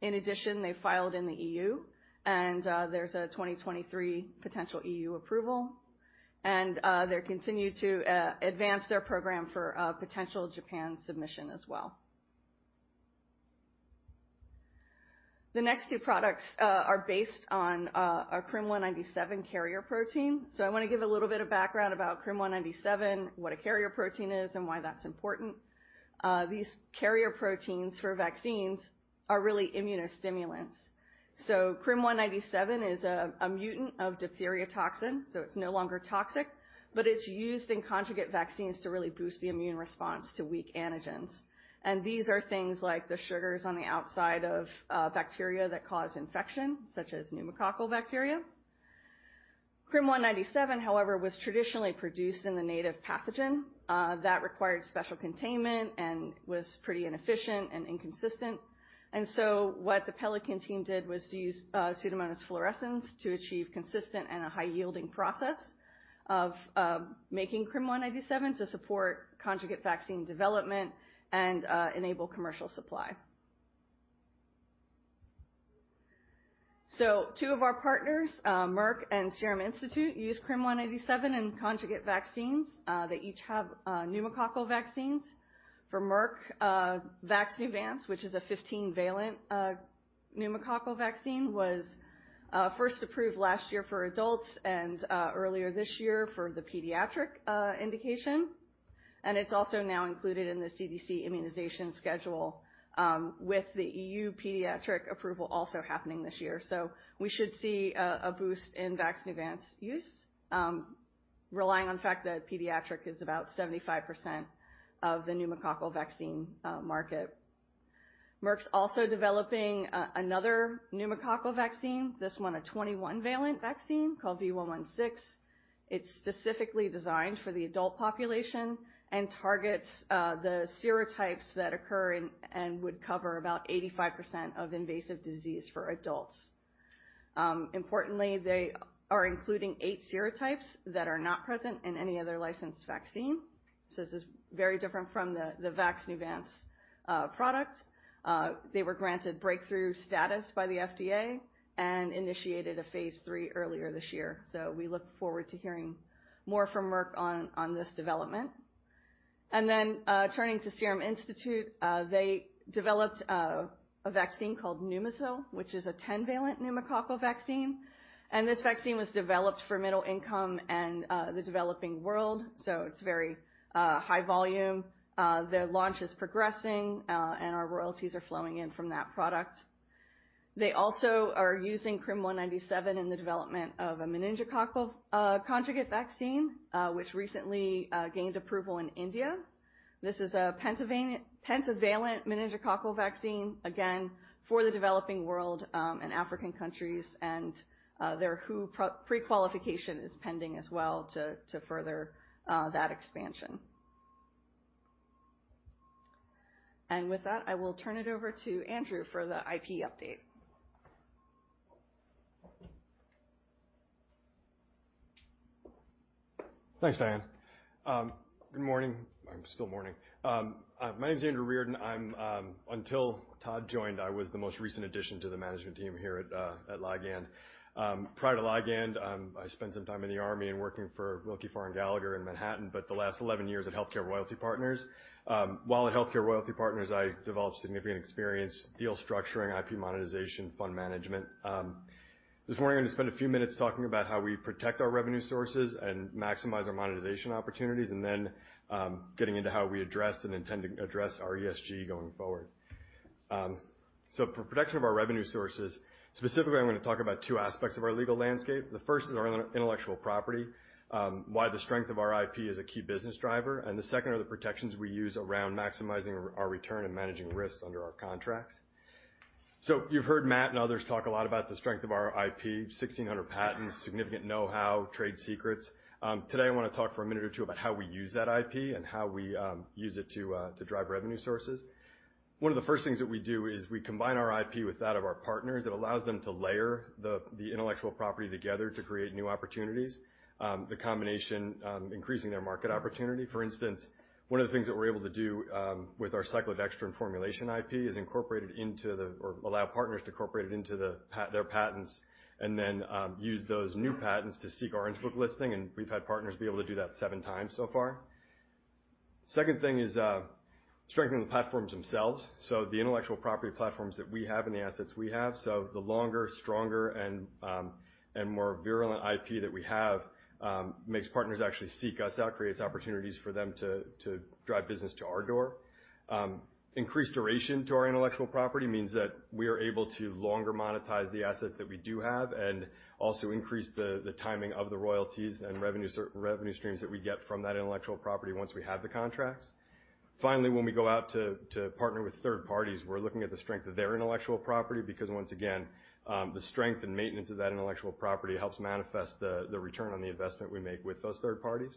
In addition, they filed in the EU, and there's a 2023 potential EU approval. They continue to advance their program for a potential Japan submission as well. The next two products are based on our CRM197 carrier protein. I want to give a little bit of background about CRM197, what a carrier protein is, and why that's important. These carrier proteins for vaccines are really immunostimulants. CRM197 is a mutant of diphtheria toxin, so it's no longer toxic, but it's used in conjugate vaccines to really boost the immune response to weak antigens. These are things like the sugars on the outside of bacteria that cause infection, such as pneumococcal bacteria. CRM197, however, was traditionally produced in the native pathogen that required special containment and was pretty inefficient and inconsistent. What the Pelican team did was to use Pseudomonas fluorescens to achieve consistent and a high-yielding process of making CRM197 to support conjugate vaccine development and enable commercial supply. Two of our partners, Merck and Serum Institute, use CRM197 in conjugate vaccines. They each have pneumococcal vaccines. For Merck, VAXNEUVANCE, which is a 15-valent pneumococcal vaccine, was first approved last year for adults and earlier this year for the pediatric indication. It's also now included in the CDC immunization schedule, with the EU pediatric approval also happening this year. We should see a boost in VAXNEUVANCE use, relying on the fact that pediatric is about 75% of the pneumococcal vaccine market. Merck's also developing another pneumococcal vaccine, this one a 21-valent vaccine called V116. It's specifically designed for the adult population and targets the serotypes that occur and would cover about 85% of invasive disease for adults. Importantly, they are including eight serotypes that are not present in any other licensed vaccine. This is very different from the VAXNEUVANCE product. They were granted breakthrough status by the FDA and initiated a Phase III earlier this year. We look forward to hearing more from Merck on this development. Turning to Serum Institute, they developed a vaccine called Pneumosil, which is a 10-valent pneumococcal vaccine. This vaccine was developed for middle income and the developing world. It's very high volume. Their launch is progressing, and our royalties are flowing in from that product. They also are using CRM197 in the development of a meningococcal conjugate vaccine, which recently gained approval in India. This is a pentavalent meningococcal vaccine, again, for the developing world, and African countries, their WHO prequalification is pending as well to further that expansion. With that, I will turn it over to Andrew for the IP update. Thanks, Diane. Good morning. It's still morning. My name is Andrew Reardon. I'm. Until Todd joined, I was the most recent addition to the management team here at Ligand. Prior to Ligand, I spent some time in the Army and working for Willkie Farr & Gallagher in Manhattan, but the last 11 years at HealthCare Royalty Partners. While at HealthCare Royalty Partners, I developed significant experience, deal structuring, IP monetization, fund management. This morning, I'm gonna spend a few minutes talking about how we protect our revenue sources and maximize our monetization opportunities, and then, getting into how we address and intend to address our ESG going forward. For protection of our revenue sources, specifically I'm gonna talk about two aspects of our legal landscape. The first is our intellectual property, why the strength of our IP is a key business driver, and the second are the protections we use around maximizing our return and managing risks under our contracts. You've heard Matt and others talk a lot about the strength of our IP, 1,600 patents, significant know-how, trade secrets. Today I wanna talk for a minute or two about how we use that IP and how we use it to drive revenue sources. One of the first things that we do is we combine our IP with that of our partners. It allows them to layer the intellectual property together to create new opportunities, the combination increasing their market opportunity. For instance, one of the things that we're able to do with our cyclodextrin formulation IP is incorporate it into the... Allow partners to incorporate it into their patents and then use those new patents to seek Orange Book listing, and we've had partners be able to do that 7x so far. Second thing is, strengthening the platforms themselves, so the intellectual property platforms that we have and the assets we have. The longer, stronger, and more virulent IP that we have, makes partners actually seek us out, creates opportunities for them to drive business to our door. Increased duration to our intellectual property means that we are able to longer monetize the assets that we do have and also increase the timing of the royalties and revenue streams that we get from that intellectual property once we have the contracts. Finally, when we go out to partner with third parties, we're looking at the strength of their intellectual property because once again, the strength and maintenance of that intellectual property helps manifest the return on the investment we make with those third parties.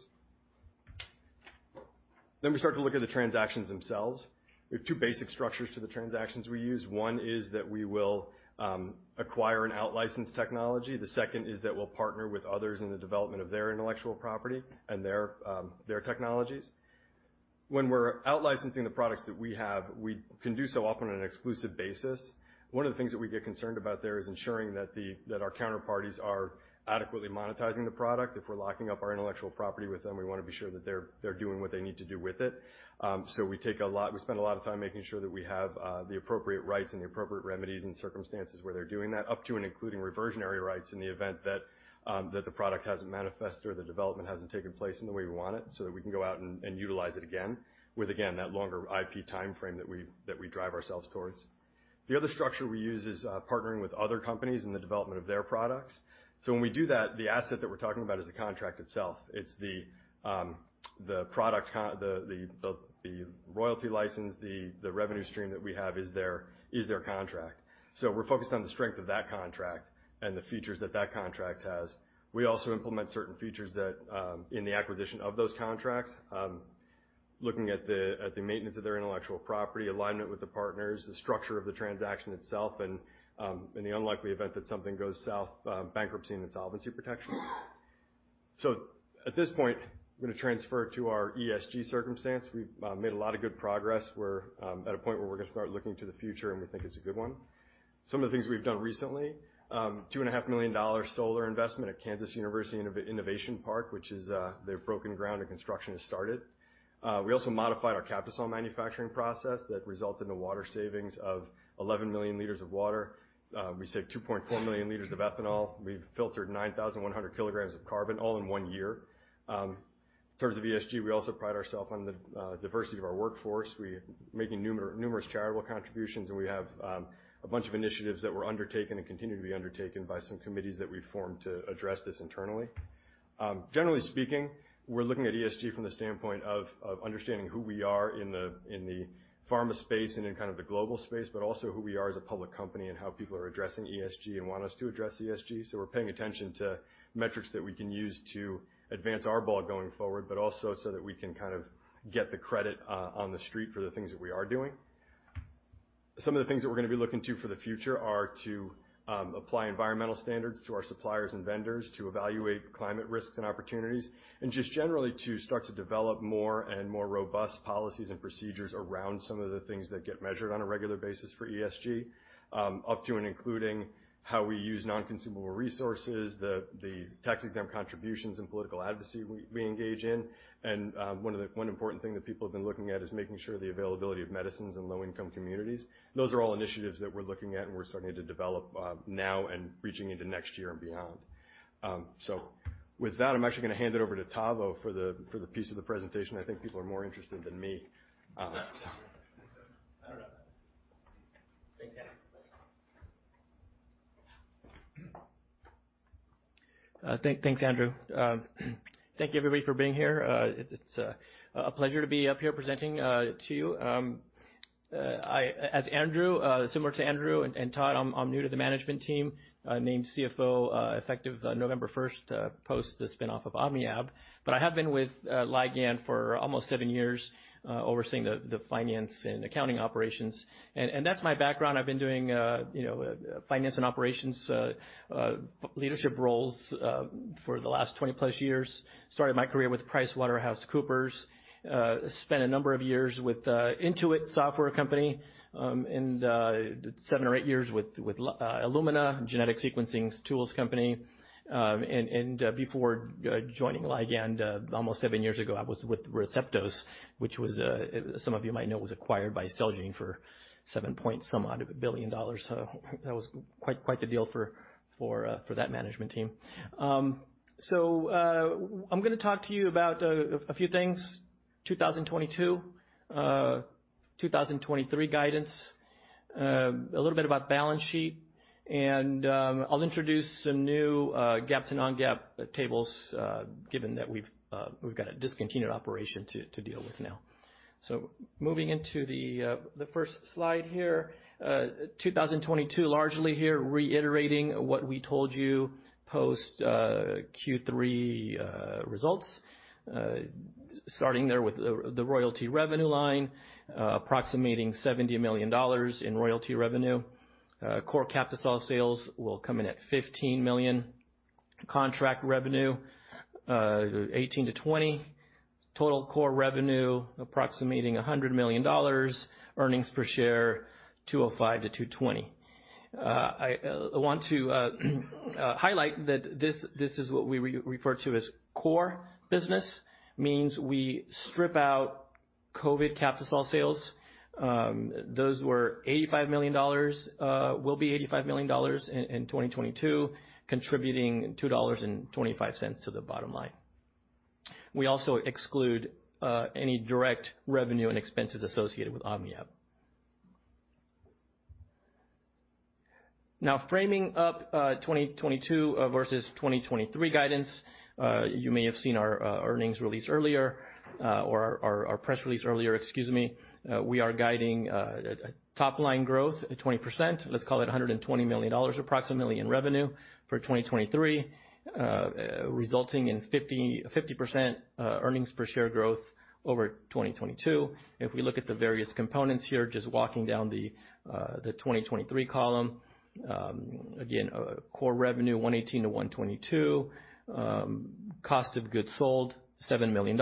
We start to look at the transactions themselves. We have two basic structures to the transactions we use. One is that we will acquire an out-licensed technology. The second is that we'll partner with others in the development of their intellectual property and their technologies. When we're out-licensing the products that we have, we can do so often on an exclusive basis. One of the things that we get concerned about there is ensuring that our counterparties are adequately monetizing the product. If we're locking up our intellectual property with them, we wanna be sure that they're doing what they need to do with it. We spend a lot of time making sure that we have the appropriate rights and the appropriate remedies and circumstances where they're doing that, up to and including reversionary rights in the event that the product hasn't manifested or the development hasn't taken place in the way we want it, so that we can go out and utilize it again, with that longer IP timeframe that we drive ourselves towards. The other structure we use is partnering with other companies in the development of their products. When we do that, the asset that we're talking about is the contract itself. It's the royalty license, the revenue stream that we have is their, is their contract. We're focused on the strength of that contract and the features that that contract has. We also implement certain features that in the acquisition of those contracts, looking at the maintenance of their intellectual property, alignment with the partners, the structure of the transaction itself, and in the unlikely event that something goes south, bankruptcy and insolvency protection. At this point, I'm gonna transfer to our ESG circumstance. We've made a lot of good progress. We're at a point where we're gonna start looking to the future, and we think it's a good one. Some of the things we've done recently, $2.5 million solar investment at KU Innovation Park, which is, they've broken ground and construction has started. We also modified our Captisol manufacturing process that resulted in water savings of 11 million liters of water. We saved 2.4 million liters of ethanol. We've filtered 9,100 kilograms of carbon all in 1 year. In terms of ESG, we also pride ourself on the diversity of our workforce. We making numerous charitable contributions, and we have a bunch of initiatives that were undertaken and continue to be undertaken by some committees that we've formed to address this internally. Generally speaking, we're looking at ESG from the standpoint of understanding who we are in the pharma space and in kind of the global space, but also who we are as a public company and how people are addressing ESG and want us to address ESG. We're paying attention to metrics that we can use to advance our ball going forward, but also so that we can kind of get the credit on the street for the things that we are doing. Some of the things that we're gonna be looking to for the future are to apply environmental standards to our suppliers and vendors, to evaluate climate risks and opportunities, and just generally to start to develop more and more robust policies and procedures around some of the things that get measured on a regular basis for ESG, up to and including how we use non-consumable resources, the tax-exempt contributions and political advocacy we engage in. One important thing that people have been looking at is making sure the availability of medicines in low-income communities. Those are all initiatives that we're looking at and we're starting to develop now and reaching into next year and beyond. With that, I'm actually gonna hand it over to Tavo for the, for the piece of the presentation I think people are more interested than me. so I don't know. Thanks, Andrew. Thank you everybody for being here. It's a pleasure to be up here presenting to you. As Andrew, similar to Andrew and Todd, I'm new to the management team. Named CFO, effective November 1st, post the spinoff of OmniAb. But I have been with Ligand for almost seven years, overseeing the finance and accounting operations. And that's my background. I've been doing, you know, finance and operations leadership roles for the last 20+ years. Started my career with PricewaterhouseCoopers, spent a number of years with Intuit software company, and seven or eight years with Illumina genetic sequencing tools company. Before joining Ligand, almost seven years ago, I was with Receptos, which was, some of you might know, was acquired by Celgene for $7 point some odd billion. That was quite the deal for that management team. I'm gonna talk to you about a few things. 2022, 2023 guidance. A little bit about balance sheet, and I'll introduce some new GAAP to non-GAAP tables, given that we've got a discontinued operation to deal with now. Moving into the first slide here, 2022, largely here reiterating what we told you post Q3 results. Starting there with the royalty revenue line, approximating $70 million in royalty revenue. core Captisol sales will come in at $15 million. Contract revenue, $18 million-$20 million. Total core revenue approximating $100 million. Earnings per share, $2.05-$2.20. I want to highlight that this is what we refer to as core business, means we strip out COVID Captisol sales. Those were $85 million, will be $85 million in 2022, contributing $2.25 to the bottom line. We also exclude any direct revenue and expenses associated with OmniAb. Framing up 2022 versus 2023 guidance, you may have seen our earnings release earlier, or our press release earlier, excuse me. We are guiding top-line growth at 20%. Let's call it $120 million approximately in revenue for 2023, resulting in 50% earnings per share growth over 2022. We look at the various components here, just walking down the 2023 column, again, core revenue, $118 million-$122 million. Cost of goods sold, $7 million.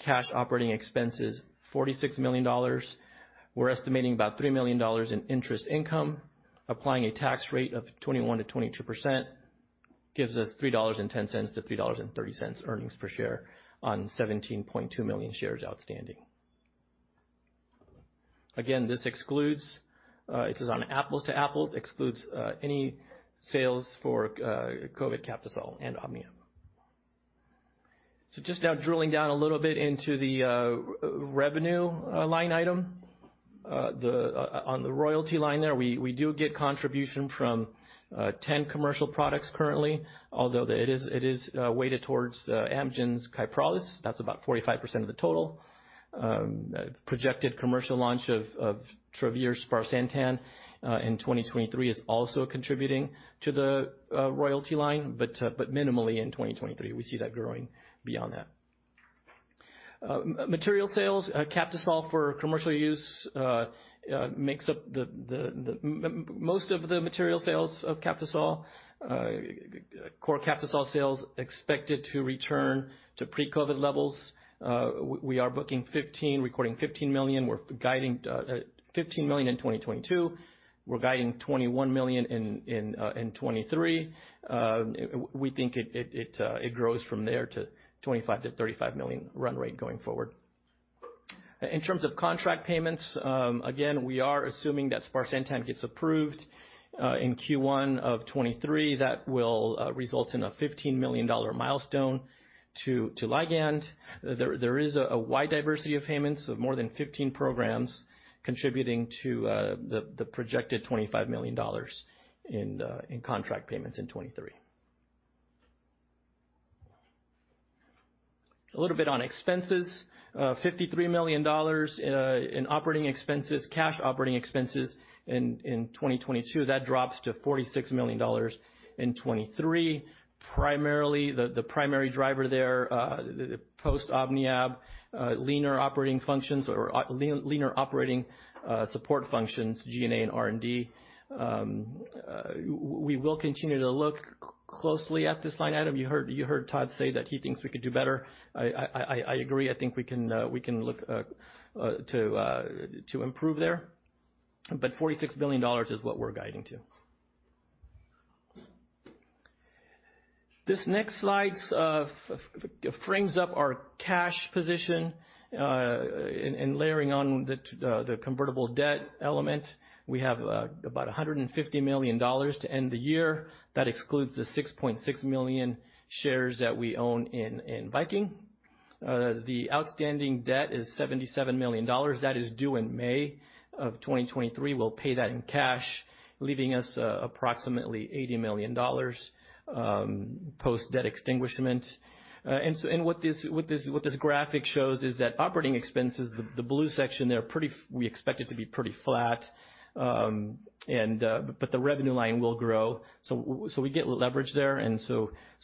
Cash operating expenses, $46 million. We're estimating about $3 million in interest income. Applying a tax rate of 21%-22% gives us $3.10-$3.30 earnings per share on 17.2 million shares outstanding. Again, this excludes, this is on apples to apples, excludes any sales for COVID Captisol and OmniAb. Just now drilling down a little bit into the revenue line item. On the royalty line there, we do get contribution from 10 commercial products currently, although it is weighted towards Amgen's KYPROLIS. That's about 45% of the total. Projected commercial launch of Travere sparsentan in 2023 is also contributing to the royalty line, but minimally in 2023. We see that growing beyond that. Material sales, Captisol for commercial use, makes up the most of the material sales of Captisol. Core Captisol sales expected to return to pre-COVID levels. We are recording $15 million. We're guiding $15 million in 2022. We're guiding $21 million in 2023. We think it grows from there to $25 million-$35 million run rate going forward. In terms of contract payments, again, we are assuming that sparsentan gets approved in Q1 of 2023. That will result in a $15 million milestone to Ligand. There is a wide diversity of payments of more than 15 programs contributing to the projected $25 million in contract payments in 2023. A little bit on expenses. $53 million in operating expenses, cash operating expenses in 2022. That drops to $46 million in 2023. Primarily, the primary driver there, the post OmniAb, leaner operating functions or leaner operating support functions, G&A and R&D. We will continue to look closely at this line item. You heard Todd say that he thinks we could do better. I agree. I think we can, we can look to improve there. $46 million is what we're guiding to. This next slide frames up our cash position and layering on the convertible debt element. We have about $150 million to end the year. That excludes the 6.6 million shares that we own in Viking Therapeutics. The outstanding debt is $77 million. That is due in May of 2023. We'll pay that in cash, leaving us approximately $80 million post-debt extinguishment. What this graphic shows is that operating expenses, the blue section there, we expect it to be pretty flat. The revenue line will grow. We get leverage there.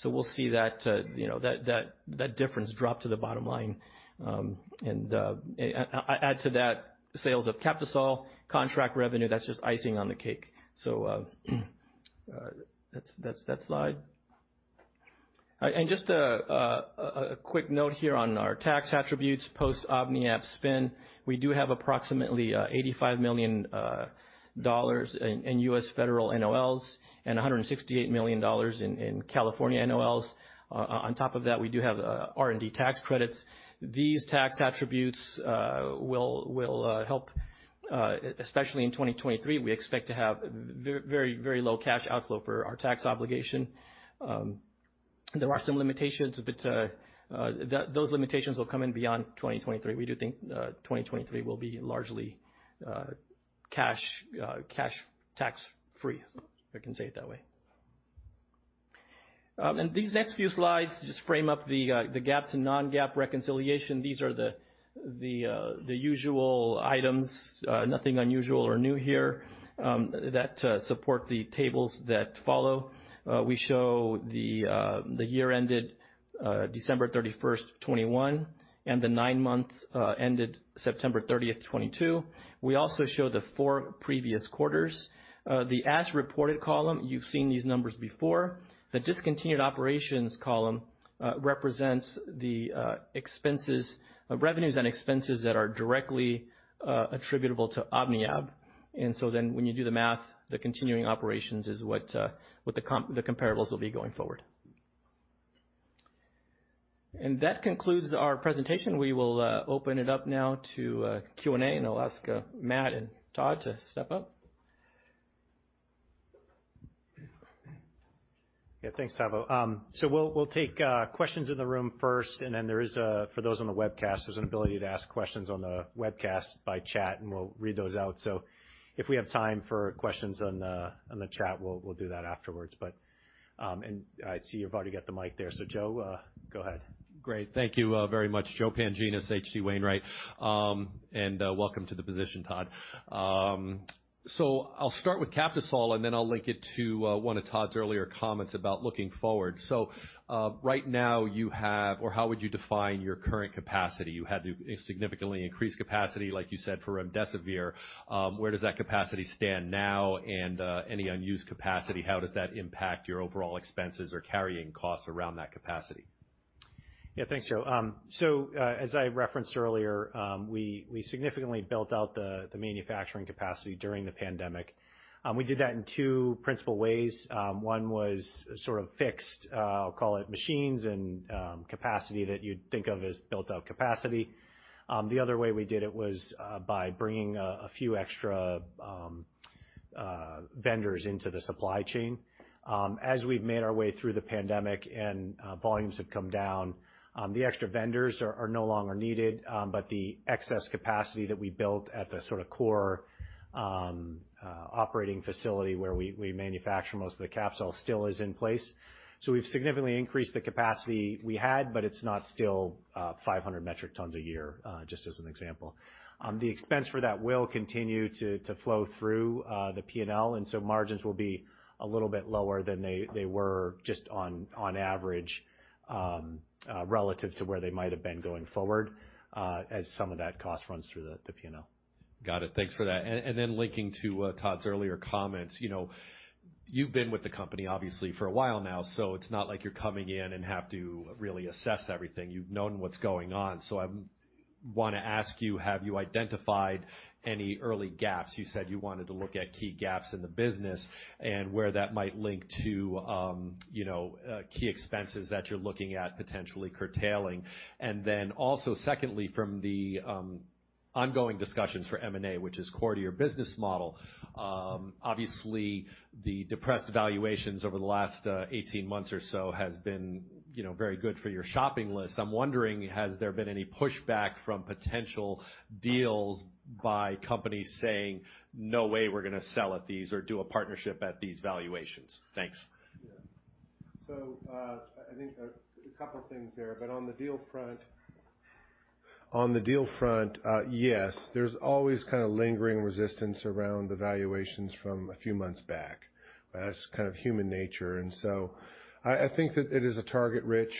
We'll see that, you know, difference drop to the bottom line. Add to that sales of Captisol contract revenue. That's just icing on the cake. That's that slide. Just a quick note here on our tax attributes, post OmniAb spin. We do have approximately $85 million in US federal NOLs and $168 million in California NOLs. On top of that, we do have R&D tax credits. These tax attributes will help, especially in 2023, we expect to have very low cash outflow for our tax obligation. There are some limitations, those limitations will come in beyond 2023. We do think 2023 will be largely cash tax-free, if I can say it that way. These next few slides just frame up the GAAP to non-GAAP reconciliation. These are the usual items, nothing unusual or new here, that support the tables that follow. We show the year ended December 31, 2021, and the nine months ended September 30, 2022. We also show the four previous quarters. The as-reported column, you've seen these numbers before. The discontinued operations column represents the revenues and expenses that are directly attributable to OmniAb. When you do the math, the continuing operations is what the comparables will be going forward. That concludes our presentation. We will open it up now to Q&A, and I'll ask Matt and Todd to step up. Yeah. Thanks, Tavo. We'll, we'll take questions in the room first, and then there is, for those on the webcast, there's an ability to ask questions on the webcast by chat, and we'll read those out. If we have time for questions on the, on the chat, we'll do that afterwards. And I see you've already got the mic there, Joe, go ahead. Great. Thank you, very much. Joseph Pantginis, H.C. Wainwright. Welcome to the position, Todd. I'll start with Captisol, and then I'll link it to one of Todd's earlier comments about looking forward. How would you define your current capacity? You had to significantly increase capacity, like you said, for remdesivir. Where does that capacity stand now? Any unused capacity, how does that impact your overall expenses or carrying costs around that capacity? Yeah. Thanks, Joe. As I referenced earlier, we significantly built out the manufacturing capacity during the pandemic. We did that in two principal ways. One was sort of fixed, call it machines and capacity that you'd think of as built-out capacity. The other way we did it was by bringing a few extra vendors into the supply chain. As we've made our way through the pandemic and volumes have come down, the extra vendors are no longer needed, but the excess capacity that we built at the sort of core operating facility where we manufacture most of the Captisol still is in place. We've significantly increased the capacity we had, but it's not still 500 metric tons a year, just as an example. The expense for that will continue to flow through the P&L. Margins will be a little bit lower than they were just on average, relative to where they might have been going forward, as some of that cost runs through the P&L. Got it. Thanks for that. Then linking to Todd's earlier comments, you know, you've been with the company obviously for a while now, so it's not like you're coming in and have to really assess everything. You've known what's going on. I wanna ask you, have you identified any early gaps? You said you wanted to look at key gaps in the business and where that might link to, you know, key expenses that you're looking at potentially curtailing. Then also secondly, from the ongoing discussions for M&A, which is core to your business model, obviously the depressed valuations over the last 18 months or so has been, you know, very good for your shopping list. I'm wondering, has there been any pushback from potential deals by companies saying, "No way we're gonna sell at these or do a partnership at these valuations"? Thanks. Yeah. I think a couple things there. On the deal front, on the deal front, yes, there's always kinda lingering resistance around the valuations from a few months back. That's kind of human nature. I think that it is a target-rich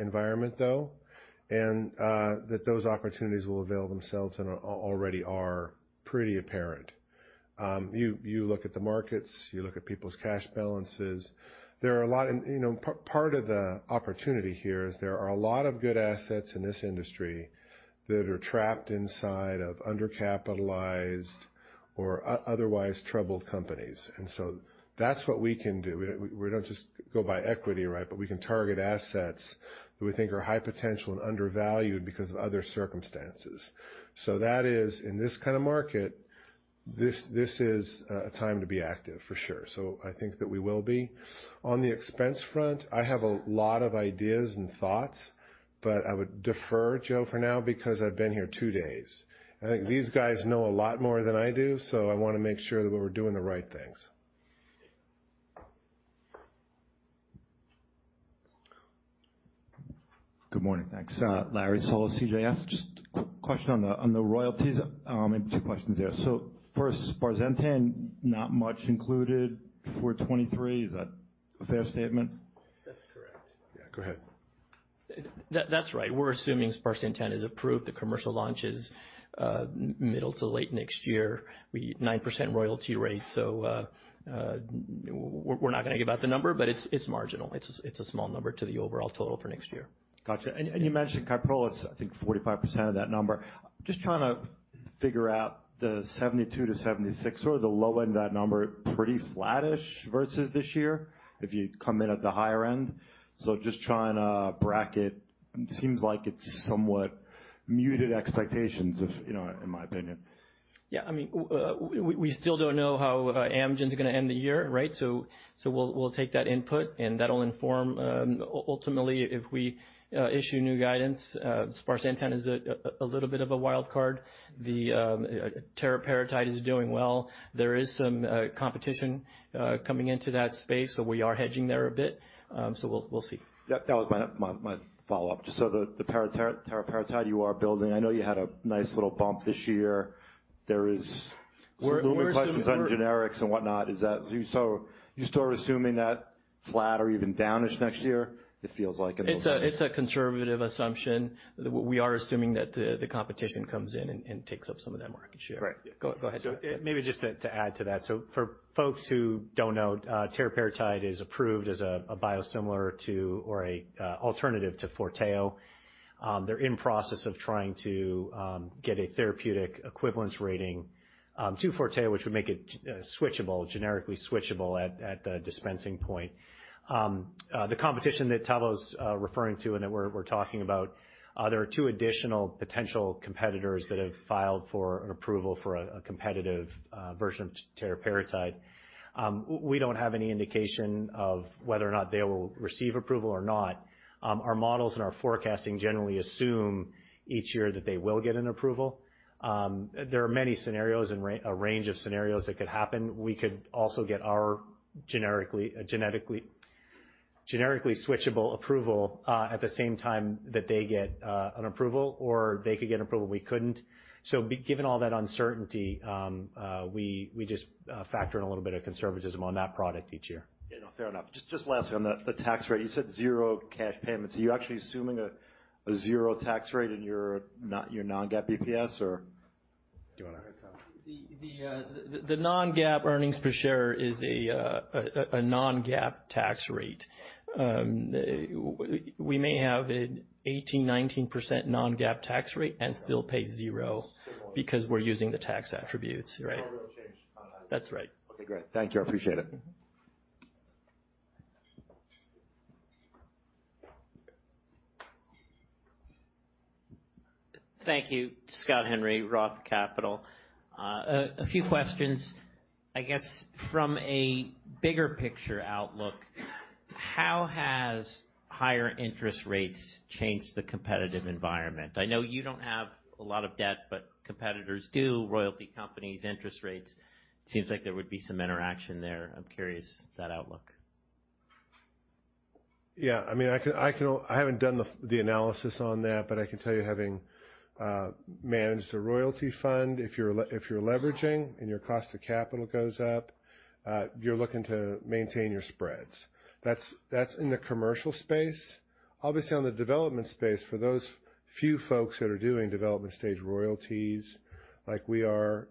environment though, and that those opportunities will avail themselves and already are pretty apparent. You look at the markets. You look at people's cash balances. There are a lot and, you know, part of the opportunity here is there are a lot of good assets in this industry that are trapped inside of undercapitalized or otherwise troubled companies. That's what we can do. We don't just go by equity, right? We can target assets that we think are high potential and undervalued because of other circumstances. That is, in this kind of market, this is a time to be active for sure. I think that we will be. On the expense front, I have a lot of ideas and thoughts, but I would defer Joe for now because I've been here two days. I think these guys know a lot more than I do, so I wanna make sure that we're doing the right things. Good morning. Thanks. Larry Solow, CJS. Just question on the, on the royalties. Maybe two questions there. First, sparsentan, not much included for 23. Is that a fair statement? That's correct. Yeah. Go ahead. That's right. We're assuming sparsentan is approved. The commercial launch is middle to late next year. 9% royalty rate. We're not gonna give out the number, but it's marginal. It's a small number to the overall total for next year. Gotcha. You mentioned KYPROLIS, I think 45% of that number. Just trying to figure out the $72-$76 or the low end of that number, pretty flattish versus this year if you come in at the higher end. Just trying to bracket. Seems like it's somewhat muted expectations of, you know, in my opinion. Yeah, I mean, we still don't know how Amgen's gonna end the year, right? We'll take that input and that'll inform ultimately if we issue new guidance. sparsentan is a little bit of a wild card. The teriparatide is doing well. There is some competition coming into that space, so we are hedging there a bit. We'll see. Yep, that was my follow-up. The teriparatide you are building, I know you had a nice little bump this year. There is some looming questions on generics and whatnot. You still are assuming that flat or even down-ish next year? It feels like it. It's a conservative assumption. We are assuming that the competition comes in and takes up some of that market share. Right. Go ahead. Maybe just to add to that. For folks who don't know, teriparatide is approved as a biosimilar to or a alternative to FORTEO. They're in process of trying to get a therapeutic equivalence rating to FORTEO, which would make it switchable, generically switchable at the dispensing point. The competition that Tavo's referring to and that we're talking about, there are two additional potential competitors that have filed for an approval for a competitive version of teriparatide. We don't have any indication of whether or not they will receive approval or not. Our models and our forecasting generally assume each year that they will get an approval. There are many scenarios and a range of scenarios that could happen. We could also get our genetically... Generically switchable approval, at the same time that they get, an approval, or they could get approval and we couldn't. Given all that uncertainty, we just factor in a little bit of conservatism on that product each year. Yeah, no, fair enough. Just lastly, on the tax rate, you said 0 cash payments. Are you actually assuming a 0 tax rate in your non-GAAP EPS, or? Do you wanna? The non-GAAP earnings per share is a non-GAAP tax rate. We may have an 18%, 19% non-GAAP tax rate and still pay 0 because we're using the tax attributes, right. No real change. That's right. Okay, great. Thank you. I appreciate it. Thank you. Scott Henry, Roth Capital. A few questions. I guess from a bigger picture outlook, how has higher interest rates changed the competitive environment? I know you don't have a lot of debt, but competitors do, royalty companies, interest rates. Seems like there would be some interaction there. I'm curious that outlook. Yeah, I mean, I can. I haven't done the analysis on that, but I can tell you having managed a royalty fund, if you're leveraging and your cost of capital goes up, you're looking to maintain your spreads. That's in the commercial space. Obviously, on the development space, for those few folks that are doing development stage royalties like we are,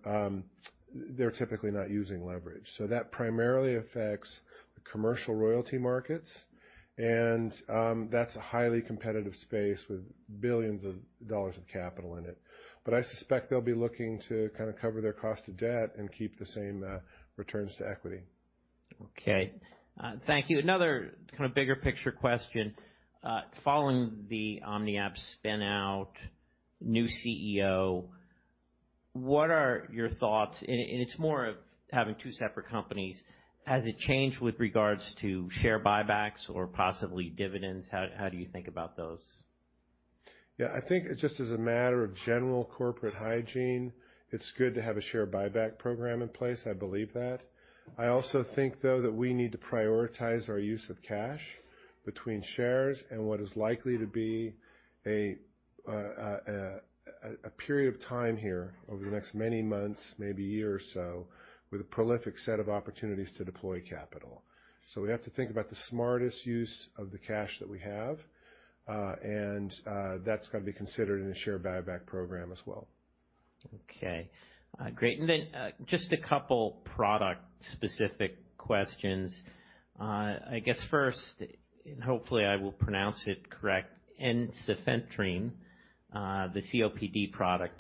they're typically not using leverage. That primarily affects the commercial royalty markets, and that's a highly competitive space with billions of dollars of capital in it. I suspect they'll be looking to kinda cover their cost of debt and keep the same returns to equity. Okay. Thank you. Another kinda bigger picture question. Following the OmniAb spin-out, new CEO, what are your thoughts? It's more of having two separate companies. Has it changed with regards to share buybacks or possibly dividends? How do you think about those? Yeah. I think just as a matter of general corporate hygiene, it's good to have a share buyback program in place. I believe that. I also think, though, that we need to prioritize our use of cash between shares and what is likely to be a period of time here over the next many months, maybe a year or so, with a prolific set of opportunities to deploy capital. We have to think about the smartest use of the cash that we have, and that's got to be considered in a share buyback program as well. Okay. Great. Just a couple product specific questions. I guess first, and hopefully I will pronounce it correct, ensifentrine, the COPD product.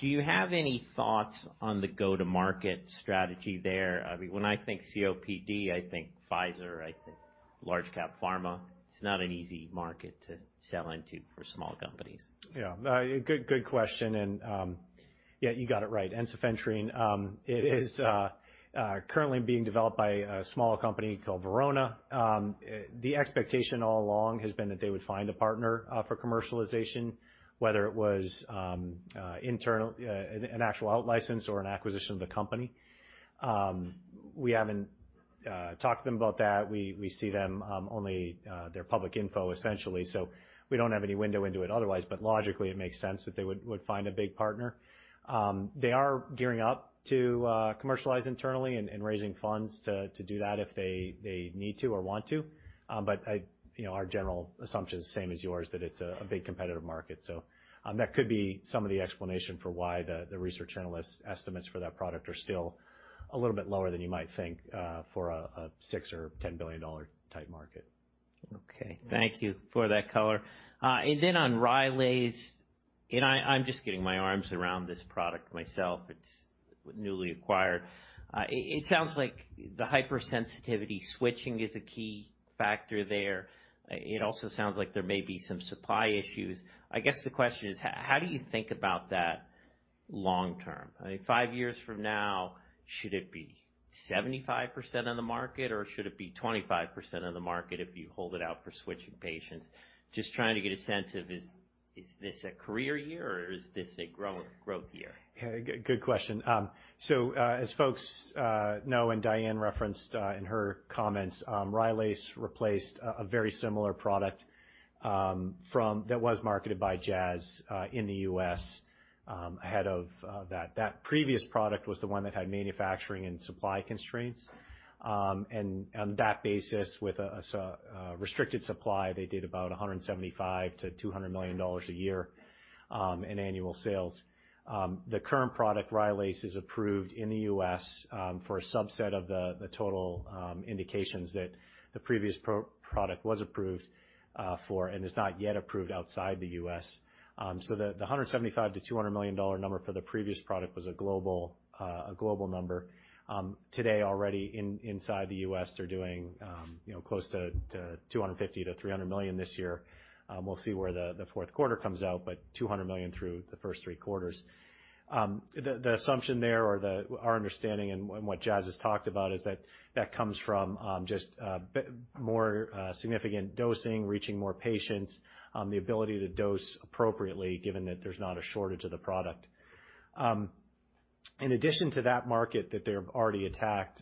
Do you have any thoughts on the go-to-market strategy there? I mean, when I think COPD, I think Pfizer, I think large cap pharma. It's not an easy market to sell into for small companies. Yeah. Good question. Yeah, you got it right. Ensifentrine, it is currently being developed by a small company called Verona. The expectation all along has been that they would find a partner for commercialization, whether it was internal, an actual outlicense or an acquisition of the company. We haven't talked to them about that. We see them only their public info essentially, so we don't have any window into it otherwise. Logically, it makes sense that they would find a big partner. They are gearing up to commercialize internally and raising funds to do that if they need to or want to. You know, our general assumption is the same as yours, that it's a big competitive market. That could be some of the explanation for why the research analyst estimates for that product are still a little bit lower than you might think for a $6 billion or $10 billion type market. Okay. Thank you for that color. Then on RYLAZE... I'm just getting my arms around this product myself. Newly acquired. it sounds like the hypersensitivity switching is a key factor there. it also sounds like there may be some supply issues. I guess the question is: How do you think about that long term? I mean, five years from now, should it be 75% of the market, or should it be 25% of the market if you hold it out for switching patients? Just trying to get a sense of is this a career year, or is this a growth year? Yeah. Good, good question. As folks know and Diane referenced in her comments, RYLAZE replaced a very similar product that was marketed by Jazz in the U.S. ahead of that. That previous product was the one that had manufacturing and supply constraints. On that basis, with a restricted supply, they did about $175 million-$200 million a year in annual sales. The current product, RYLAZE, is approved in the U.S. for a subset of the total indications that the previous product was approved for, and is not yet approved outside the U.S. The $175 million-$200 million number for the previous product was a global, a global number. Today already in, inside the U.S., they're doing, you know, close to $250 million-$300 million this year. We'll see where the fourth quarter comes out, but $200 million through the first three quarters. The assumption there or our understanding and what Jazz has talked about is that that comes from just more significant dosing, reaching more patients, the ability to dose appropriately given that there's not a shortage of the product. In addition to that market that they've already attacked,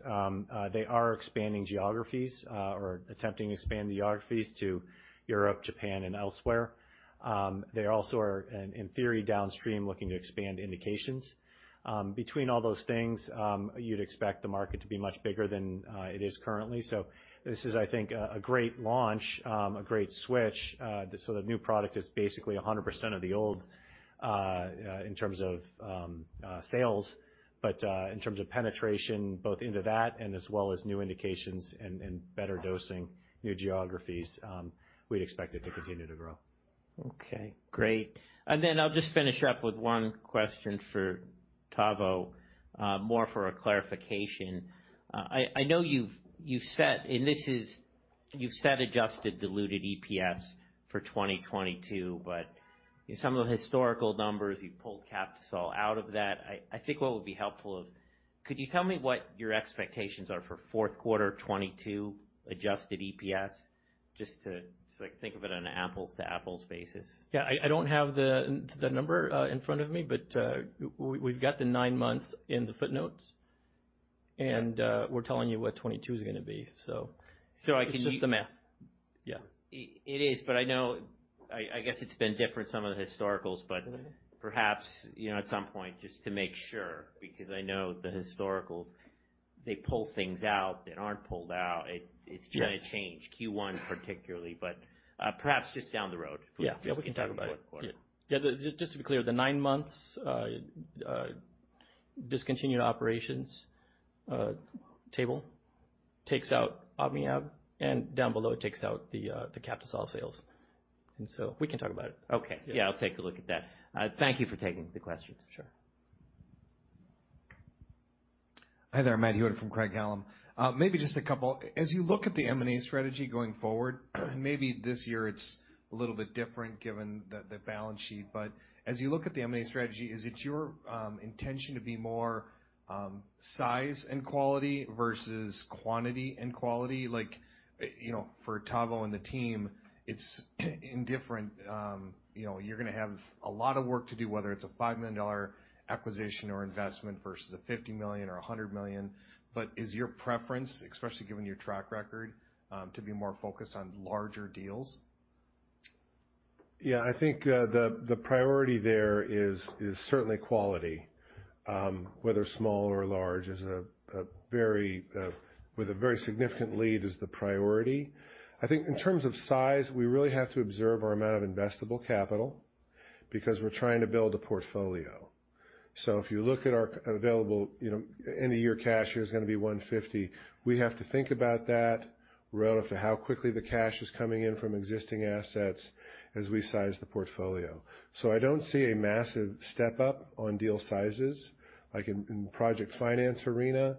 they are expanding geographies or attempting to expand geographies to Europe, Japan, and elsewhere. They also are in theory, downstream, looking to expand indications. Between all those things, you'd expect the market to be much bigger than it is currently. This is I think a great launch, a great switch. The new product is basically 100% of the old, in terms of sales, but in terms of penetration, both into that and as well as new indications and better dosing, new geographies, we expect it to continue to grow. Okay. Great. I'll just finish up with one question for Tavo, more for a clarification. I know you've set adjusted diluted EPS for 2022, but in some of the historical numbers, you pulled Captisol out of that. I think what would be helpful is could you tell me what your expectations are for fourth quarter 2022 adjusted EPS, just to like think of it on an apples-to-apples basis? Yeah. I don't have the number in front of me, but we've got the nine months in the footnotes, and we're telling you what 2022 is gonna be. So I can- It's just the math. Yeah. It is, but I know... I guess it's been different some of the historicals. Mm-hmm. Perhaps, you know, at some point, just to make sure, because I know the historicals, they pull things out that aren't pulled out. It's gonna change. Yeah. -Q1 particularly, but, perhaps just down the road. Yeah. Yeah, we can talk about it. Fourth quarter. Yeah. Yeah. Just to be clear, the nine months, discontinued operations, table takes out OmniAb, and down below, it takes out the Captisol sales. We can talk about it. Okay. Yeah. Yeah, I'll take a look at that. Thank you for taking the questions. Sure. Hi there. Matt Hewitt from Craig-Hallum. Maybe just a couple. As you look at the M&A strategy going forward, maybe this year it's a little bit different given the balance sheet. As you look at the M&A strategy, is it your intention to be more size and quality versus quantity and quality? Like, you know, for Tavo and the team, it's indifferent. You know, you're gonna have a lot of work to do, whether it's a $5 million acquisition or investment versus a $50 million or a $100 million. Is your preference, especially given your track record, to be more focused on larger deals? Yeah. I think the priority there is certainly quality. Whether small or large is a very, with a very significant lead is the priority. I think in terms of size, we really have to observe our amount of investable capital because we're trying to build a portfolio. If you look at our available, you know, end-of-year cash is gonna be $150 million. We have to think about that relative to how quickly the cash is coming in from existing assets as we size the portfolio. I don't see a massive step-up on deal sizes. Like in project finance arena,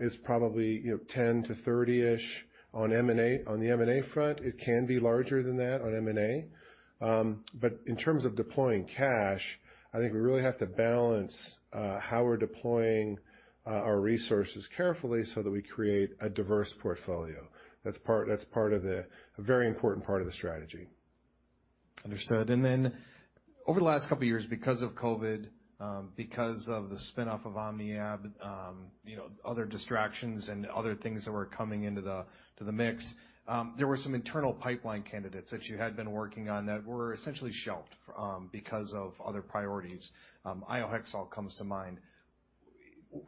is probably, you know, $10 million-$30 million-ish on M&A. On the M&A front, it can be larger than that on M&A. In terms of deploying cash, I think we really have to balance how we're deploying our resources carefully so that we create a diverse portfolio. A very important part of the strategy. Understood. Over the last couple of years, because of COVID, because of the spin-off of OmniAb, you know, other distractions and other things that were coming into the, to the mix, there were some internal pipeline candidates that you had been working on that were essentially shelved, because of other priorities. iohexol comes to mind.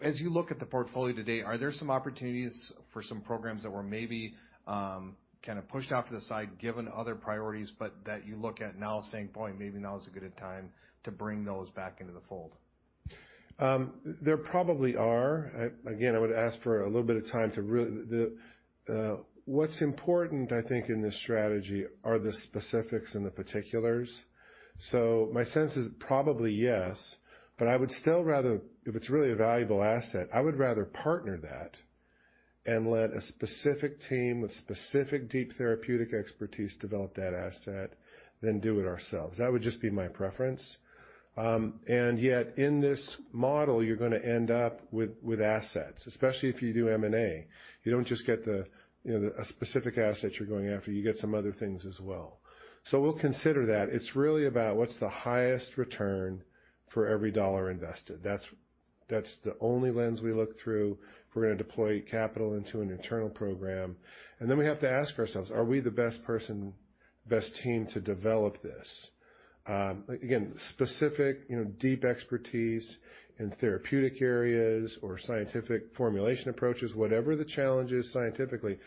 As you look at the portfolio today, are there some opportunities for some programs that were maybe, kind of pushed off to the side given other priorities, but that you look at now saying, "Boy, maybe now is a good time to bring those back into the fold"? There probably are. Again, I would ask for a little bit of time to really. What's important, I think, in this strategy are the specifics and the particulars. My sense is probably yes, but I would still rather if it's really a valuable asset, I would rather partner that. Let a specific team with specific deep therapeutic expertise develop that asset than do it ourselves. That would just be my preference. Yet in this model, you're gonna end up with assets, especially if you do M&A. You don't just get the, you know, a specific asset you're going after, you get some other things as well. We'll consider that. It's really about what's the highest return for every dollar invested. That's the only lens we look through if we're gonna deploy capital into an internal program. We have to ask ourselves, are we the best person, best team to develop this? Again, specific, you know, deep expertise in therapeutic areas or scientific formulation approaches, whatever the challenge is scientifically,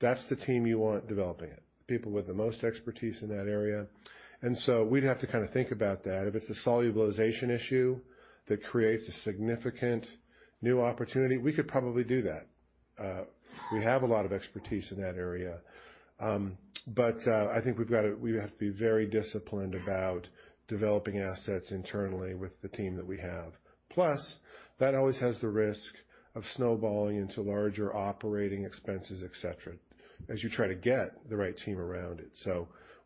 that's the team you want developing it, people with the most expertise in that area. We'd have to kinda think about that. If it's a solubilization issue that creates a significant new opportunity, we could probably do that. We have a lot of expertise in that area. I think we have to be very disciplined about developing assets internally with the team that we have. Plus, that always has the risk of snowballing into larger operating expenses, etc., as you try to get the right team around it.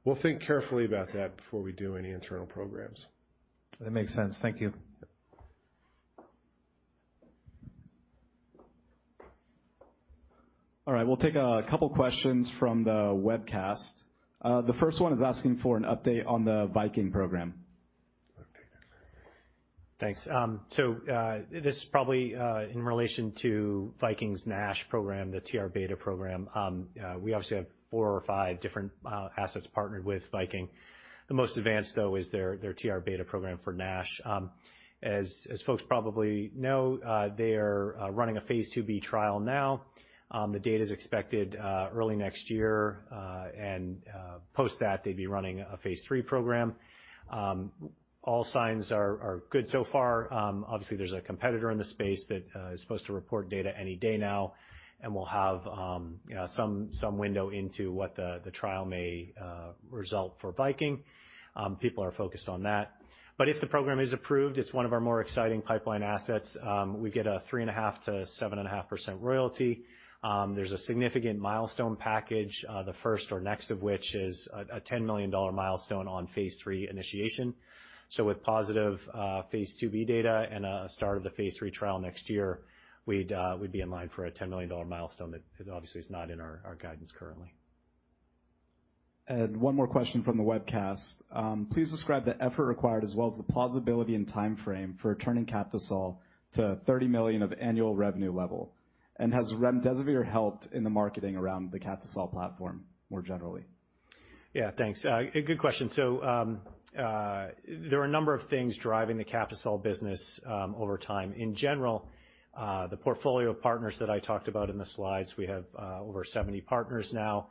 We'll think carefully about that before we do any internal programs. That makes sense. Thank you. Yep. We'll take two questions from the webcast. The first one is asking for an update on the Viking program. Thanks. This is probably in relation to Viking's NASH program, the TRβ program. We obviously have four or five different assets partnered with Viking. The most advanced though is their TRβ program for NASH. As folks probably know, they are running a Phase IIb trial now. The data is expected early next year, and post that, they'd be running a Phase III program. All signs are good so far. Obviously, there's a competitor in the space that is supposed to report data any day now, and we'll have, you know, some window into what the trial may result for Viking. People are focused on that. If the program is approved, it's one of our more exciting pipeline assets. We get a 3.5%-7.5% royalty. There's a significant milestone package, the first or next of which is a $10 million milestone on Phase III initiation. With positive Phase IIb data and a start of the Phase III trial next year, we'd be in line for a $10 million milestone that obviously is not in our guidance currently. One more question from the webcast. Please describe the effort required as well as the plausibility and timeframe for turning Captisol to $30 million of annual revenue level. Has remdesivir helped in the marketing around the Captisol platform more generally? Yeah, thanks. A good question. There are a number of things driving the Captisol business over time. In general, the portfolio of partners that I talked about in the slides, we have over 70 partners now.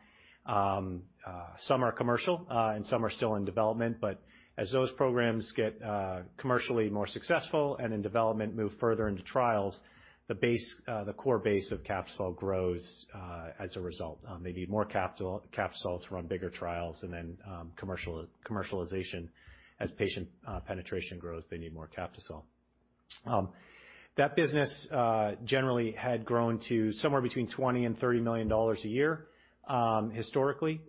Some are commercial and some are still in development. As those programs get commercially more successful and in development move further into trials, the base, the core base of Captisol grows as a result. They need more Captisol to run bigger trials and then commercialization as patient penetration grows, they need more Captisol. That business generally had grown to somewhere between $20 million-$30 million a year historically.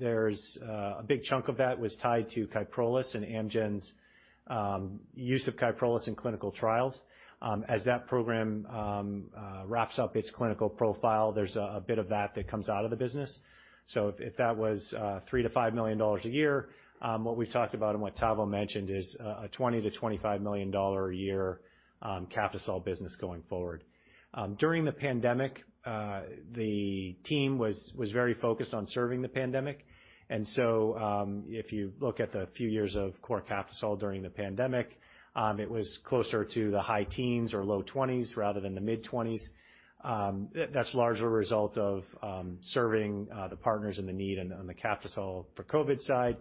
There's a big chunk of that was tied to KYPROLIS and Amgen's use of KYPROLIS in clinical trials. As that program wraps up its clinical profile, there's a bit of that that comes out of the business. If that was $3 million-$5 million a year, what we've talked about and what Tavo mentioned is a $20 million-$25 million a year Captisol business going forward. During the pandemic, the team was very focused on serving the pandemic. If you look at the few years of core Captisol during the pandemic, it was closer to the high teens or low 20s rather than the mid-20s. That's largely a result of serving the partners and the need on the Captisol for COVID side.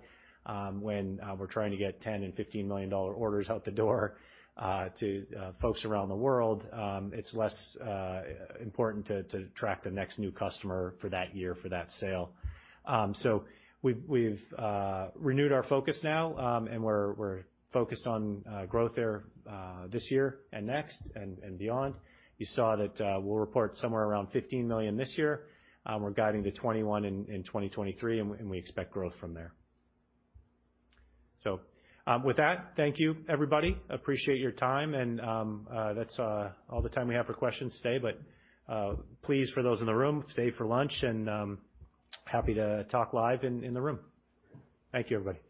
When we're trying to get $10 million and $15 million orders out the door to folks around the world, it's less important to attract the next new customer for that year for that sale. We've renewed our focus now, and we're focused on growth there this year and next and beyond. You saw that we'll report somewhere around $15 million this year. We're guiding to $21 million in 2023, and we expect growth from there. With that, thank you, everybody. Appreciate your time and that's all the time we have for questions today. Please, for those in the room, stay for lunch and happy to talk live in the room. Thank you, everybody.